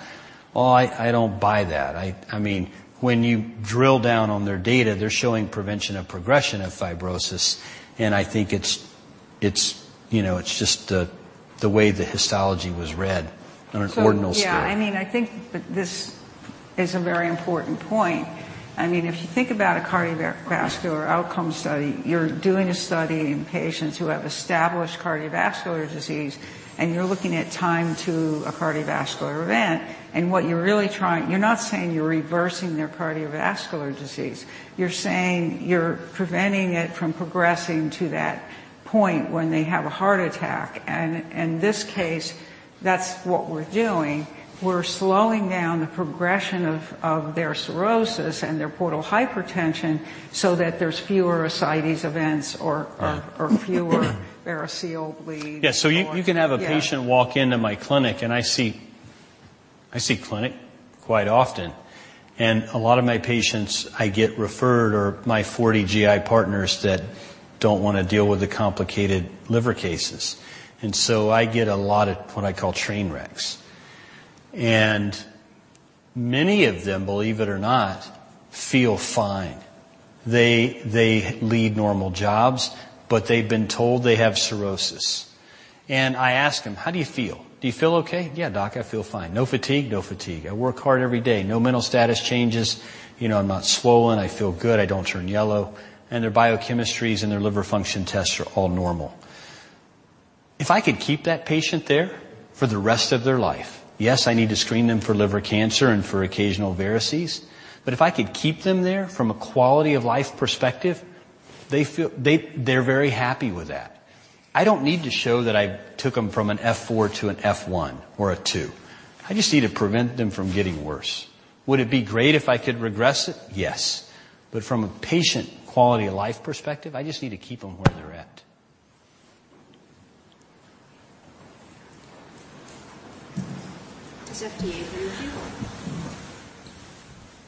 Oh, I don't buy that. I mean, when you drill down on their data, they're showing prevention of progression of fibrosis. I think it's, you know, it's just the way the histology was read on an ordinal scale. Yeah, I mean, I think this is a very important point. I mean, if you think about a cardiovascular outcome study, you're doing a study in patients who have established cardiovascular disease, and you're looking at time to a cardiovascular event. You're not saying you're reversing their cardiovascular disease. You're saying you're preventing it from progressing to that point when they have a heart attack. In this case, that's what we're doing. We're slowing down the progression of their cirrhosis and their portal hypertension so that there's fewer ascites events or. Right. Fewer variceal bleeds. Yeah. You can have a patient walk into my clinic, and I see clinic quite often. A lot of my patients I get referred are my 40 GI partners that don't wanna deal with the complicated liver cases. I get a lot of what I call train wrecks. Many of them, believe it or not, feel fine. They lead normal jobs, but they've been told they have cirrhosis. I ask them, "How do you feel? Do you feel okay?" "Yeah, doc, I feel fine." "No fatigue?" "No fatigue. I work hard every day." No mental status changes. You know, I'm not swollen. I feel good. I don't turn yellow. Their biochemistries and their liver function tests are all normal. If I could keep that patient there for the rest of their life, yes, I need to screen them for liver cancer and for occasional varices, but if I could keep them there from a quality of life perspective, they're very happy with that. I don't need to show that I took them from an F4 to an F1 or a 2. I just need to prevent them from getting worse. Would it be great if I could regress it? Yes. From a patient quality of life perspective, I just need to keep them where they're at. Does FDA agree with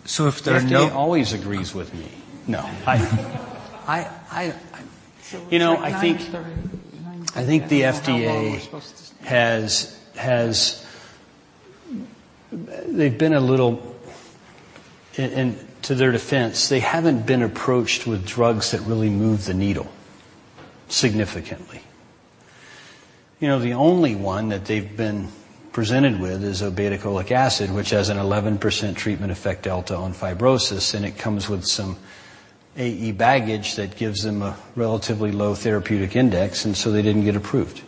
you? The FDA always agrees with me. No. I It's like 9:30. You know, I think. I don't know how long we're supposed to stay. I think the FDA has. They've been a little. To their defense, they haven't been approached with drugs that really move the needle significantly. You know, the only one that they've been presented with is obeticholic acid, which has an 11% treatment effect delta on fibrosis, and it comes with some AE baggage that gives them a relatively low therapeutic index, and so they didn't get approved.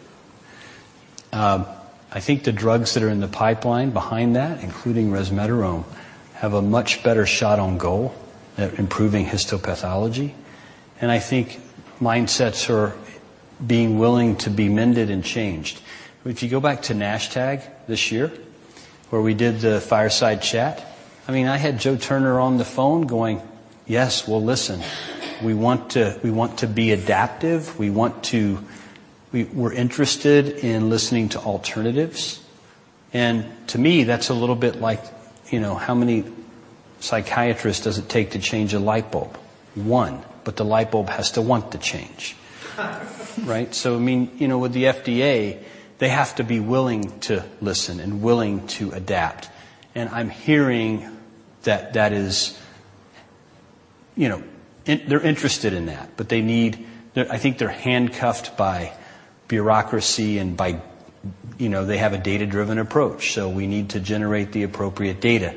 I think the drugs that are in the pipeline behind that, including resmetirom, have a much better shot on goal at improving histopathology, and I think mindsets are being willing to be mended and changed. If you go back to NASH-TAG this year, where we did the fireside chat. I mean, I had Joe Turner on the phone going, "Yes. Well, listen, we want to be adaptive. We're interested in listening to alternatives." To me, that's a little bit like, you know, how many psychiatrists does it take to change a light bulb? One, but the light bulb has to want to change. Right? I mean, you know, with the FDA, they have to be willing to listen and willing to adapt. I'm hearing that is. You know, they're interested in that, but I think they're handcuffed by bureaucracy and by, you know, they have a data-driven approach, so we need to generate the appropriate data.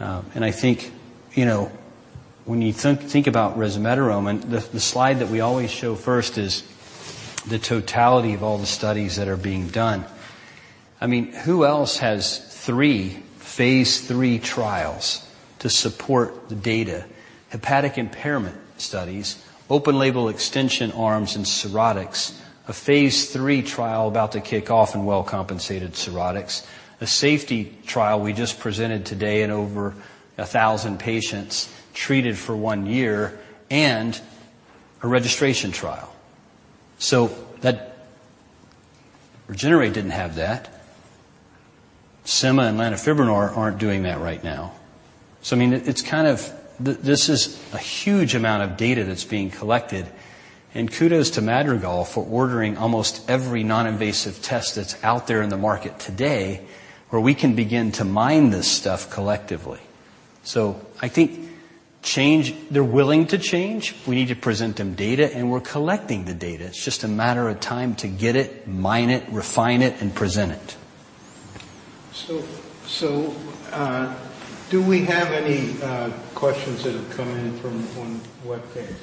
I think, you know, when you think about resmetirom, and the slide that we always show first is the totality of all the studies that are being done. I mean, who else has three phase III trials to support the data? Hepatic impairment studies, open label extension arms, and cirrhotics. A phase III trial about to kick off in well-compensated cirrhotics. A safety trial we just presented today in over 1,000 patients treated for one year and a registration trial. REGENERATE didn't have that. Sema and lanifibranor aren't doing that right now. I mean, it's kind of this is a huge amount of data that's being collected. Kudos to Madrigal for ordering almost every non-invasive test that's out there in the market today, where we can begin to mine this stuff collectively. I think they're willing to change. We need to present them data, and we're collecting the data. It's just a matter of time to get it, mine it, refine it, and present it. Do we have any questions that have come in on the webpage?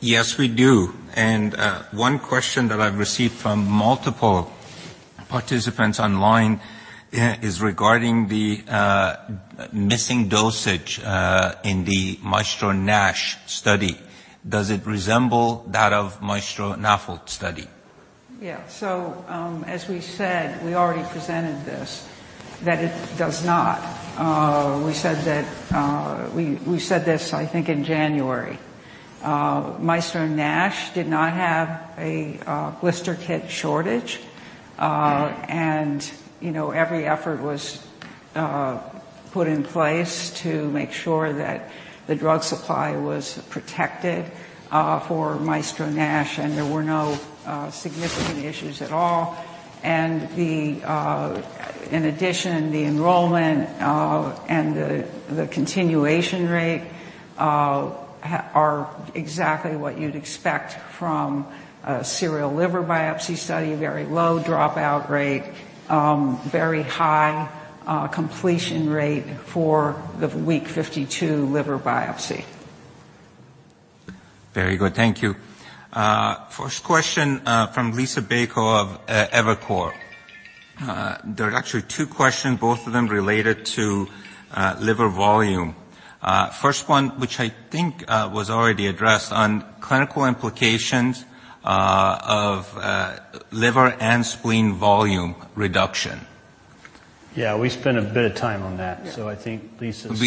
Yes, we do. One question that I've received from multiple participants online is regarding the missing dosage in the MAESTRO-NASH study. Does it resemble that of MAESTRO-NAFLD study? Yeah. As we said, we already presented this, that it does not. We said this, I think, in January. MAESTRO-NASH did not have a blister kit shortage. You know, every effort was put in place to make sure that the drug supply was protected for MAESTRO-NASH, and there were no significant issues at all. In addition, the enrollment and the continuation rate are exactly what you'd expect from a serial liver biopsy study. Very low dropout rate, very high completion rate for the week 52 liver biopsy. Very good. Thank you. First question from Liisa Bayko of Evercore. There are actually two questions, both of them related to liver volume. First one, which I think was already addressed on clinical implications of liver and spleen volume reduction. Yeah, we spent a bit of time on that. Yeah. I think Liisa's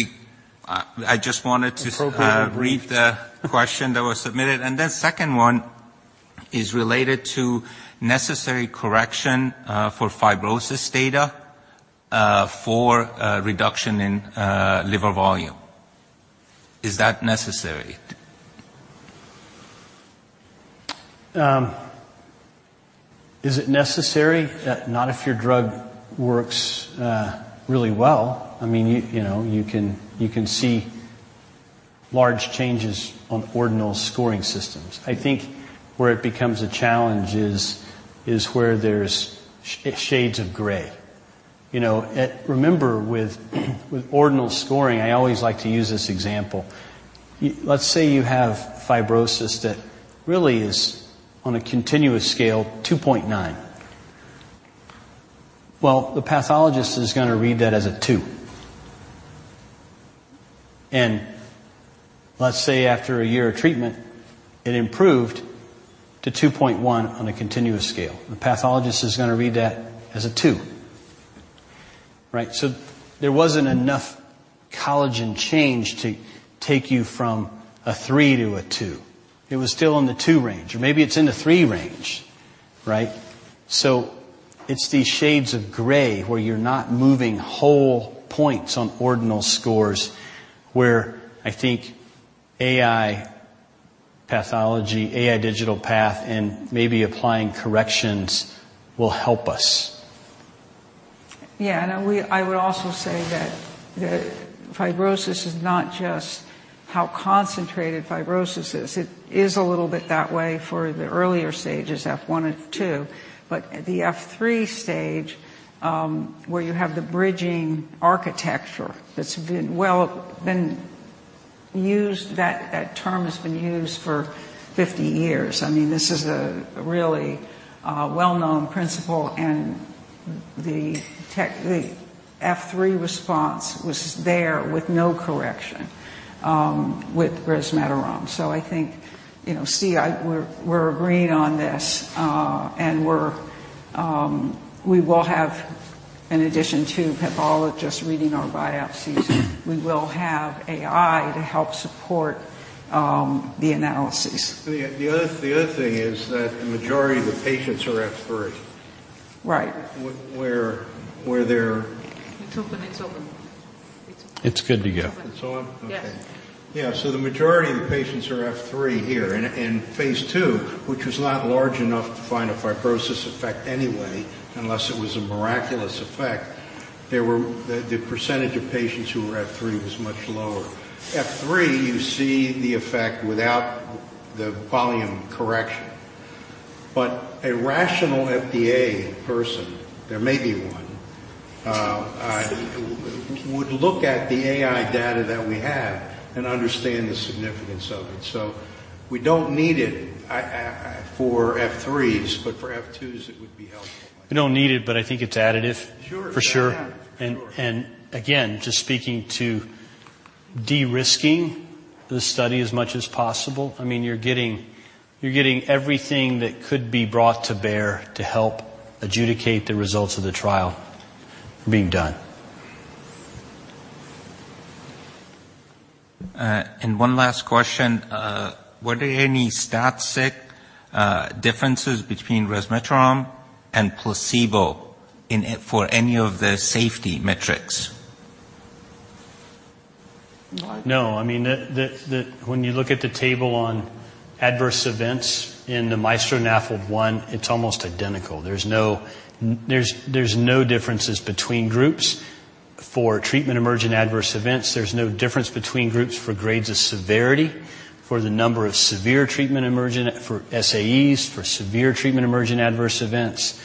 I just wanted to Appropriately briefed. Read the question that was submitted. Then second one is related to necessary correction for fibrosis data for reduction in liver volume. Is that necessary? Is it necessary? Not if your drug works really well. I mean, you know, you can see large changes on ordinal scoring systems. I think where it becomes a challenge is where there's shades of gray. You know, remember, with ordinal scoring, I always like to use this example. Let's say you have fibrosis that really is on a continuous scale, 2.9. Well, the pathologist is gonna read that as a two. And let's say after a year of treatment, it improved to 2.1 on a continuous scale. The pathologist is gonna read that as a two, right? There wasn't enough collagen change to take you from a three to a two. It was still in the two range, or maybe it's in the three range, right? It's these shades of gray where you're not moving whole points on ordinal scores, where I think AI pathology, AI digital pathology, and maybe applying corrections will help us. Yeah. I would also say that fibrosis is not just how concentrated fibrosis is. It is a little bit that way for the earlier stages, F1 and F2. But the F3 stage, where you have the bridging architecture, that's been well used. That term has been used for 50 years. I mean, this is a really well-known principle, and the F3 response was there with no correction with resmetirom. I think, you know, Steve, we're agreeing on this, and we will have in addition to pathologists reading our biopsies, we will have AI to help support the analysis. The other thing is that the majority of the patients are F3. Right. It's open. It's open. It's good to go. It's on? Okay. Yes. Yeah. The majority of the patients are F3 here. In phase II, which was not large enough to find a fibrosis effect anyway, unless it was a miraculous effect, the percentage of patients who were F3 was much lower. F3, you see the effect without the volume correction. But a rational FDA person, there may be one, would look at the AI data that we have and understand the significance of it. We don't need it for F3s, but for F2s it would be helpful. We don't need it, but I think it's additive. Sure. For sure. Yeah. Sure. Again, just speaking to de-risking the study as much as possible. I mean, you're getting everything that could be brought to bear to help adjudicate the results of the trial being done. One last question. Were there any statistically significant differences between resmetirom and placebo in for any of the safety metrics? No. No. I mean, when you look at the table on adverse events in the MAESTRO-NAFLD-1, it's almost identical. There's no differences between groups. For treatment-emergent adverse events, there's no difference between groups for grades of severity. For the number of SAEs, for severe treatment-emergent adverse events.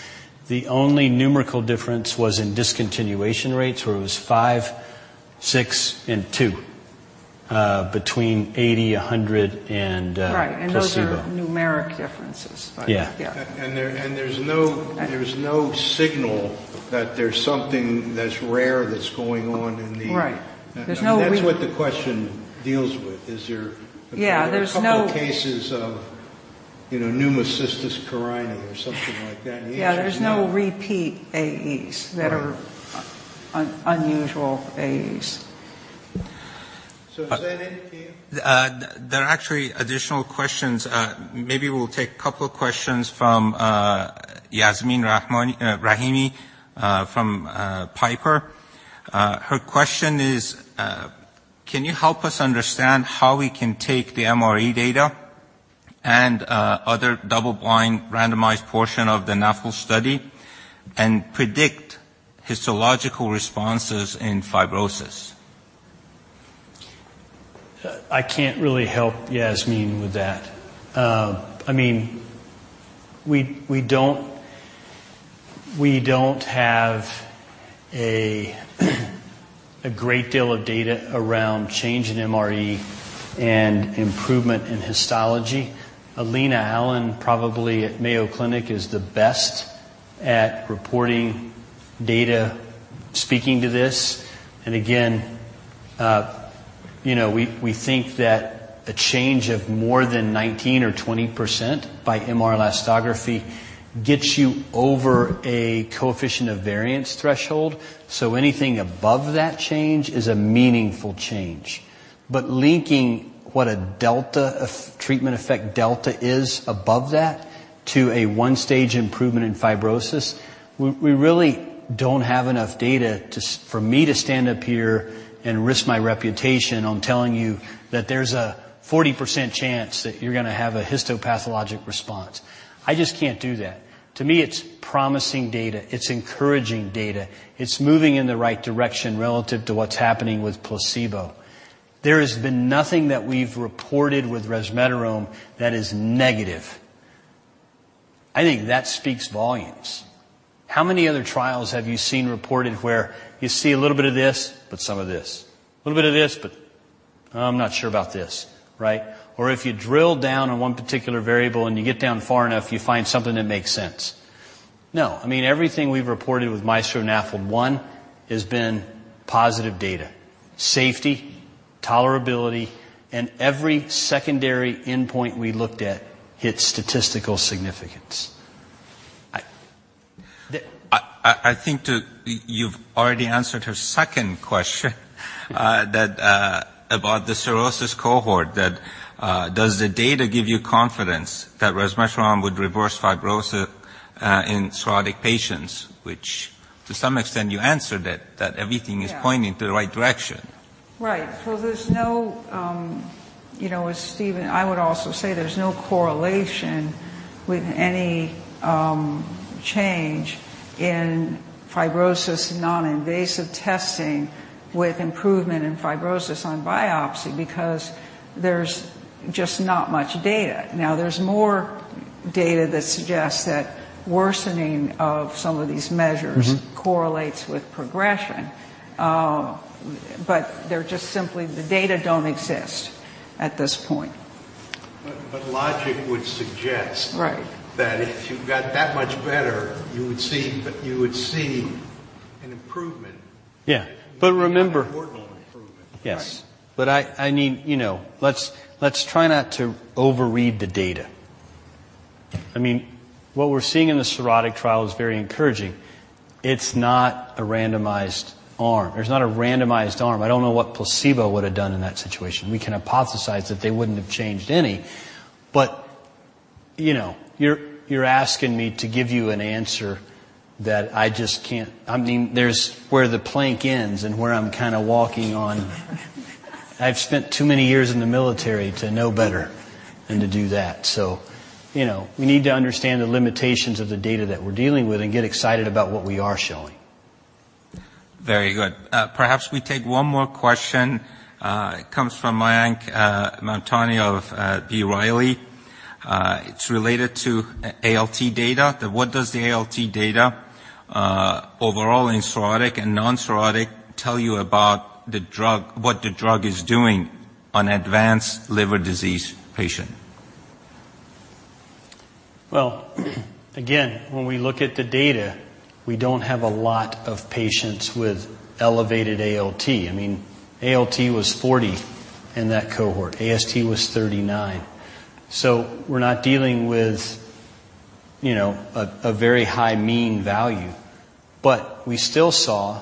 The only numerical difference was in discontinuation rates, where it was five, six and two, between 80, 100 and. Right. -placebo. Those are numeric differences. Yeah. Yeah. There's no signal that there's something that's rare that's going on in the- Right. That's what the question deals with. Yeah. A couple cases of, you know, Pneumocystis jirovecii or something like that. The answer is no. Yeah. There's no repeat AEs that are Right. Unusual AEs. Is that it, Keith? There are actually additional questions. Maybe we'll take a couple questions from Yasmeen Rahimi from Piper. Her question is, "Can you help us understand how we can take the MRE data and other double-blind randomized portion of the NAFLD study and predict histological responses in fibrosis? I can't really help Yasmeen with that. I mean, we don't have a great deal of data around change in MRE and improvement in histology. Alina Allen, probably at Mayo Clinic, is the best at reporting data speaking to this. Again, you know, we think that a change of more than 19% or 20% by MR elastography gets you over a coefficient of variance threshold, so anything above that change is a meaningful change. Linking what a treatment effect delta is above that to a one-stage improvement in fibrosis, we really don't have enough data for me to stand up here and risk my reputation on telling you that there's a 40% chance that you're gonna have a histopathologic response. I just can't do that. To me, it's promising data. It's encouraging data. It's moving in the right direction relative to what's happening with placebo. There has been nothing that we've reported with resmetirom that is negative. I think that speaks volumes. How many other trials have you seen reported where you see a little bit of this, but some of this? A little bit of this, but I'm not sure about this, right? Or if you drill down on one particular variable and you get down far enough, you find something that makes sense. No. I mean, everything we've reported with MAESTRO-NAFLD-1 has been positive data. Safety, tolerability, and every secondary endpoint we looked at hit statistical significance. I think you've already answered her second question, that about the cirrhosis cohort that does the data give you confidence that resmetirom would reverse fibrosis in cirrhotic patients, which to some extent you answered it, that everything is. Yeah. pointing to the right direction. Right. There's no, you know, as Stephen, I would also say there's no correlation with any change in fibrosis non-invasive testing with improvement in fibrosis on biopsy because there's just not much data. Now, there's more data that suggests that worsening of some of these measures. Mm-hmm. Correlates with progression. They're just simply the data don't exist at this point. Logic would suggest. Right. that if you've got that much better, you would see an improvement. Yeah. Remember. A mortality improvement. Yes. Right. I mean, you know, let's try not to overread the data. I mean, what we're seeing in the cirrhotic trial is very encouraging. It's not a randomized arm. There's not a randomized arm. I don't know what placebo would have done in that situation. We can hypothesize that they wouldn't have changed any. You know, you're asking me to give you an answer that I just can't. I mean, there's where the plank ends and where I'm kinda walking on. I've spent too many years in the military to know better than to do that. You know, we need to understand the limitations of the data that we're dealing with and get excited about what we are showing. Very good. Perhaps we take one more question. It comes from Mayank Mamtani of B. Riley. It's related to ALT data. What does the ALT data overall in cirrhotic and non-cirrhotic tell you about the drug, what the drug is doing on advanced liver disease patient? Well, again, when we look at the data, we don't have a lot of patients with elevated ALT. I mean, ALT was 40 in that cohort. AST was 39. We're not dealing with, you know, a very high mean value. We still saw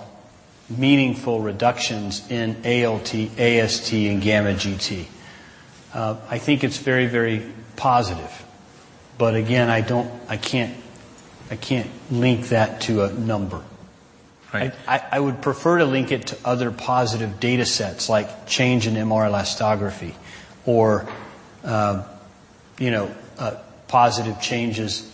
meaningful reductions in ALT, AST, and gamma GT. I think it's very, very positive. Again, I don't. I can't link that to a number. Right. I would prefer to link it to other positive data sets like change in MR Elastography or, you know, positive changes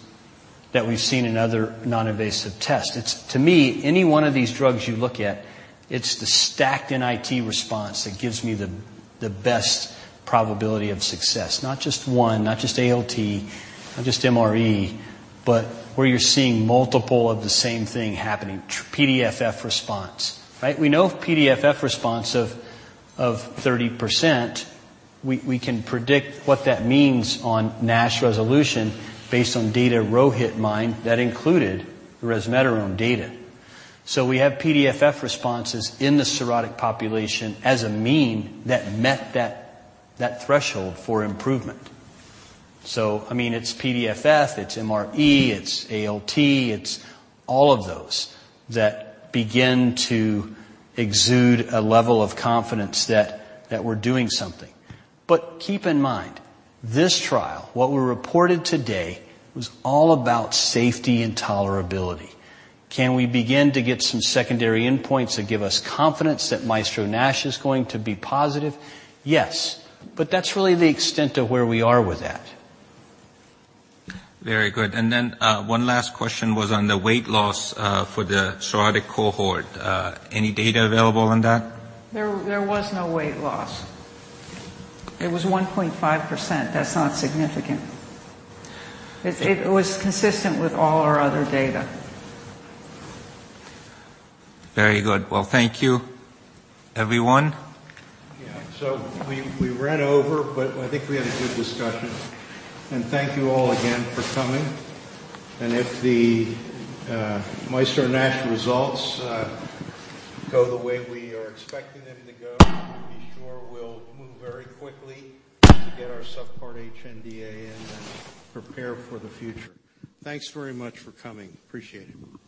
that we've seen in other non-invasive tests. It's, to me, any one of these drugs you look at, it's the stacked NIT response that gives me the best probability of success. Not just one, not just ALT, not just MRE, but where you're seeing multiple of the same thing happening. PDFF response, right? We know PDFF response of 30%, we can predict what that means on NASH resolution based on data Rohit mined that included resmetirom data. We have PDFF responses in the cirrhotic population as a mean that met that threshold for improvement. I mean, it's PDFF, it's MRE, it's ALT, it's all of those that begin to exude a level of confidence that we're doing something. Keep in mind, this trial, what we reported today, was all about safety and tolerability. Can we begin to get some secondary endpoints that give us confidence that MAESTRO-NASH is going to be positive? Yes. That's really the extent of where we are with that. Very good. One last question was on the weight loss, for the cirrhotic cohort. Any data available on that? There was no weight loss. It was 1.5%. That's not significant. It was consistent with all our other data. Very good. Well, thank you, everyone. Yeah. We ran over, but I think we had a good discussion. Thank you all again for coming. If the MAESTRO-NASH results go the way we are expecting them to go, I'll be sure we'll move very quickly to get our Subpart H NDA in and prepare for the future. Thanks very much for coming. Appreciate it.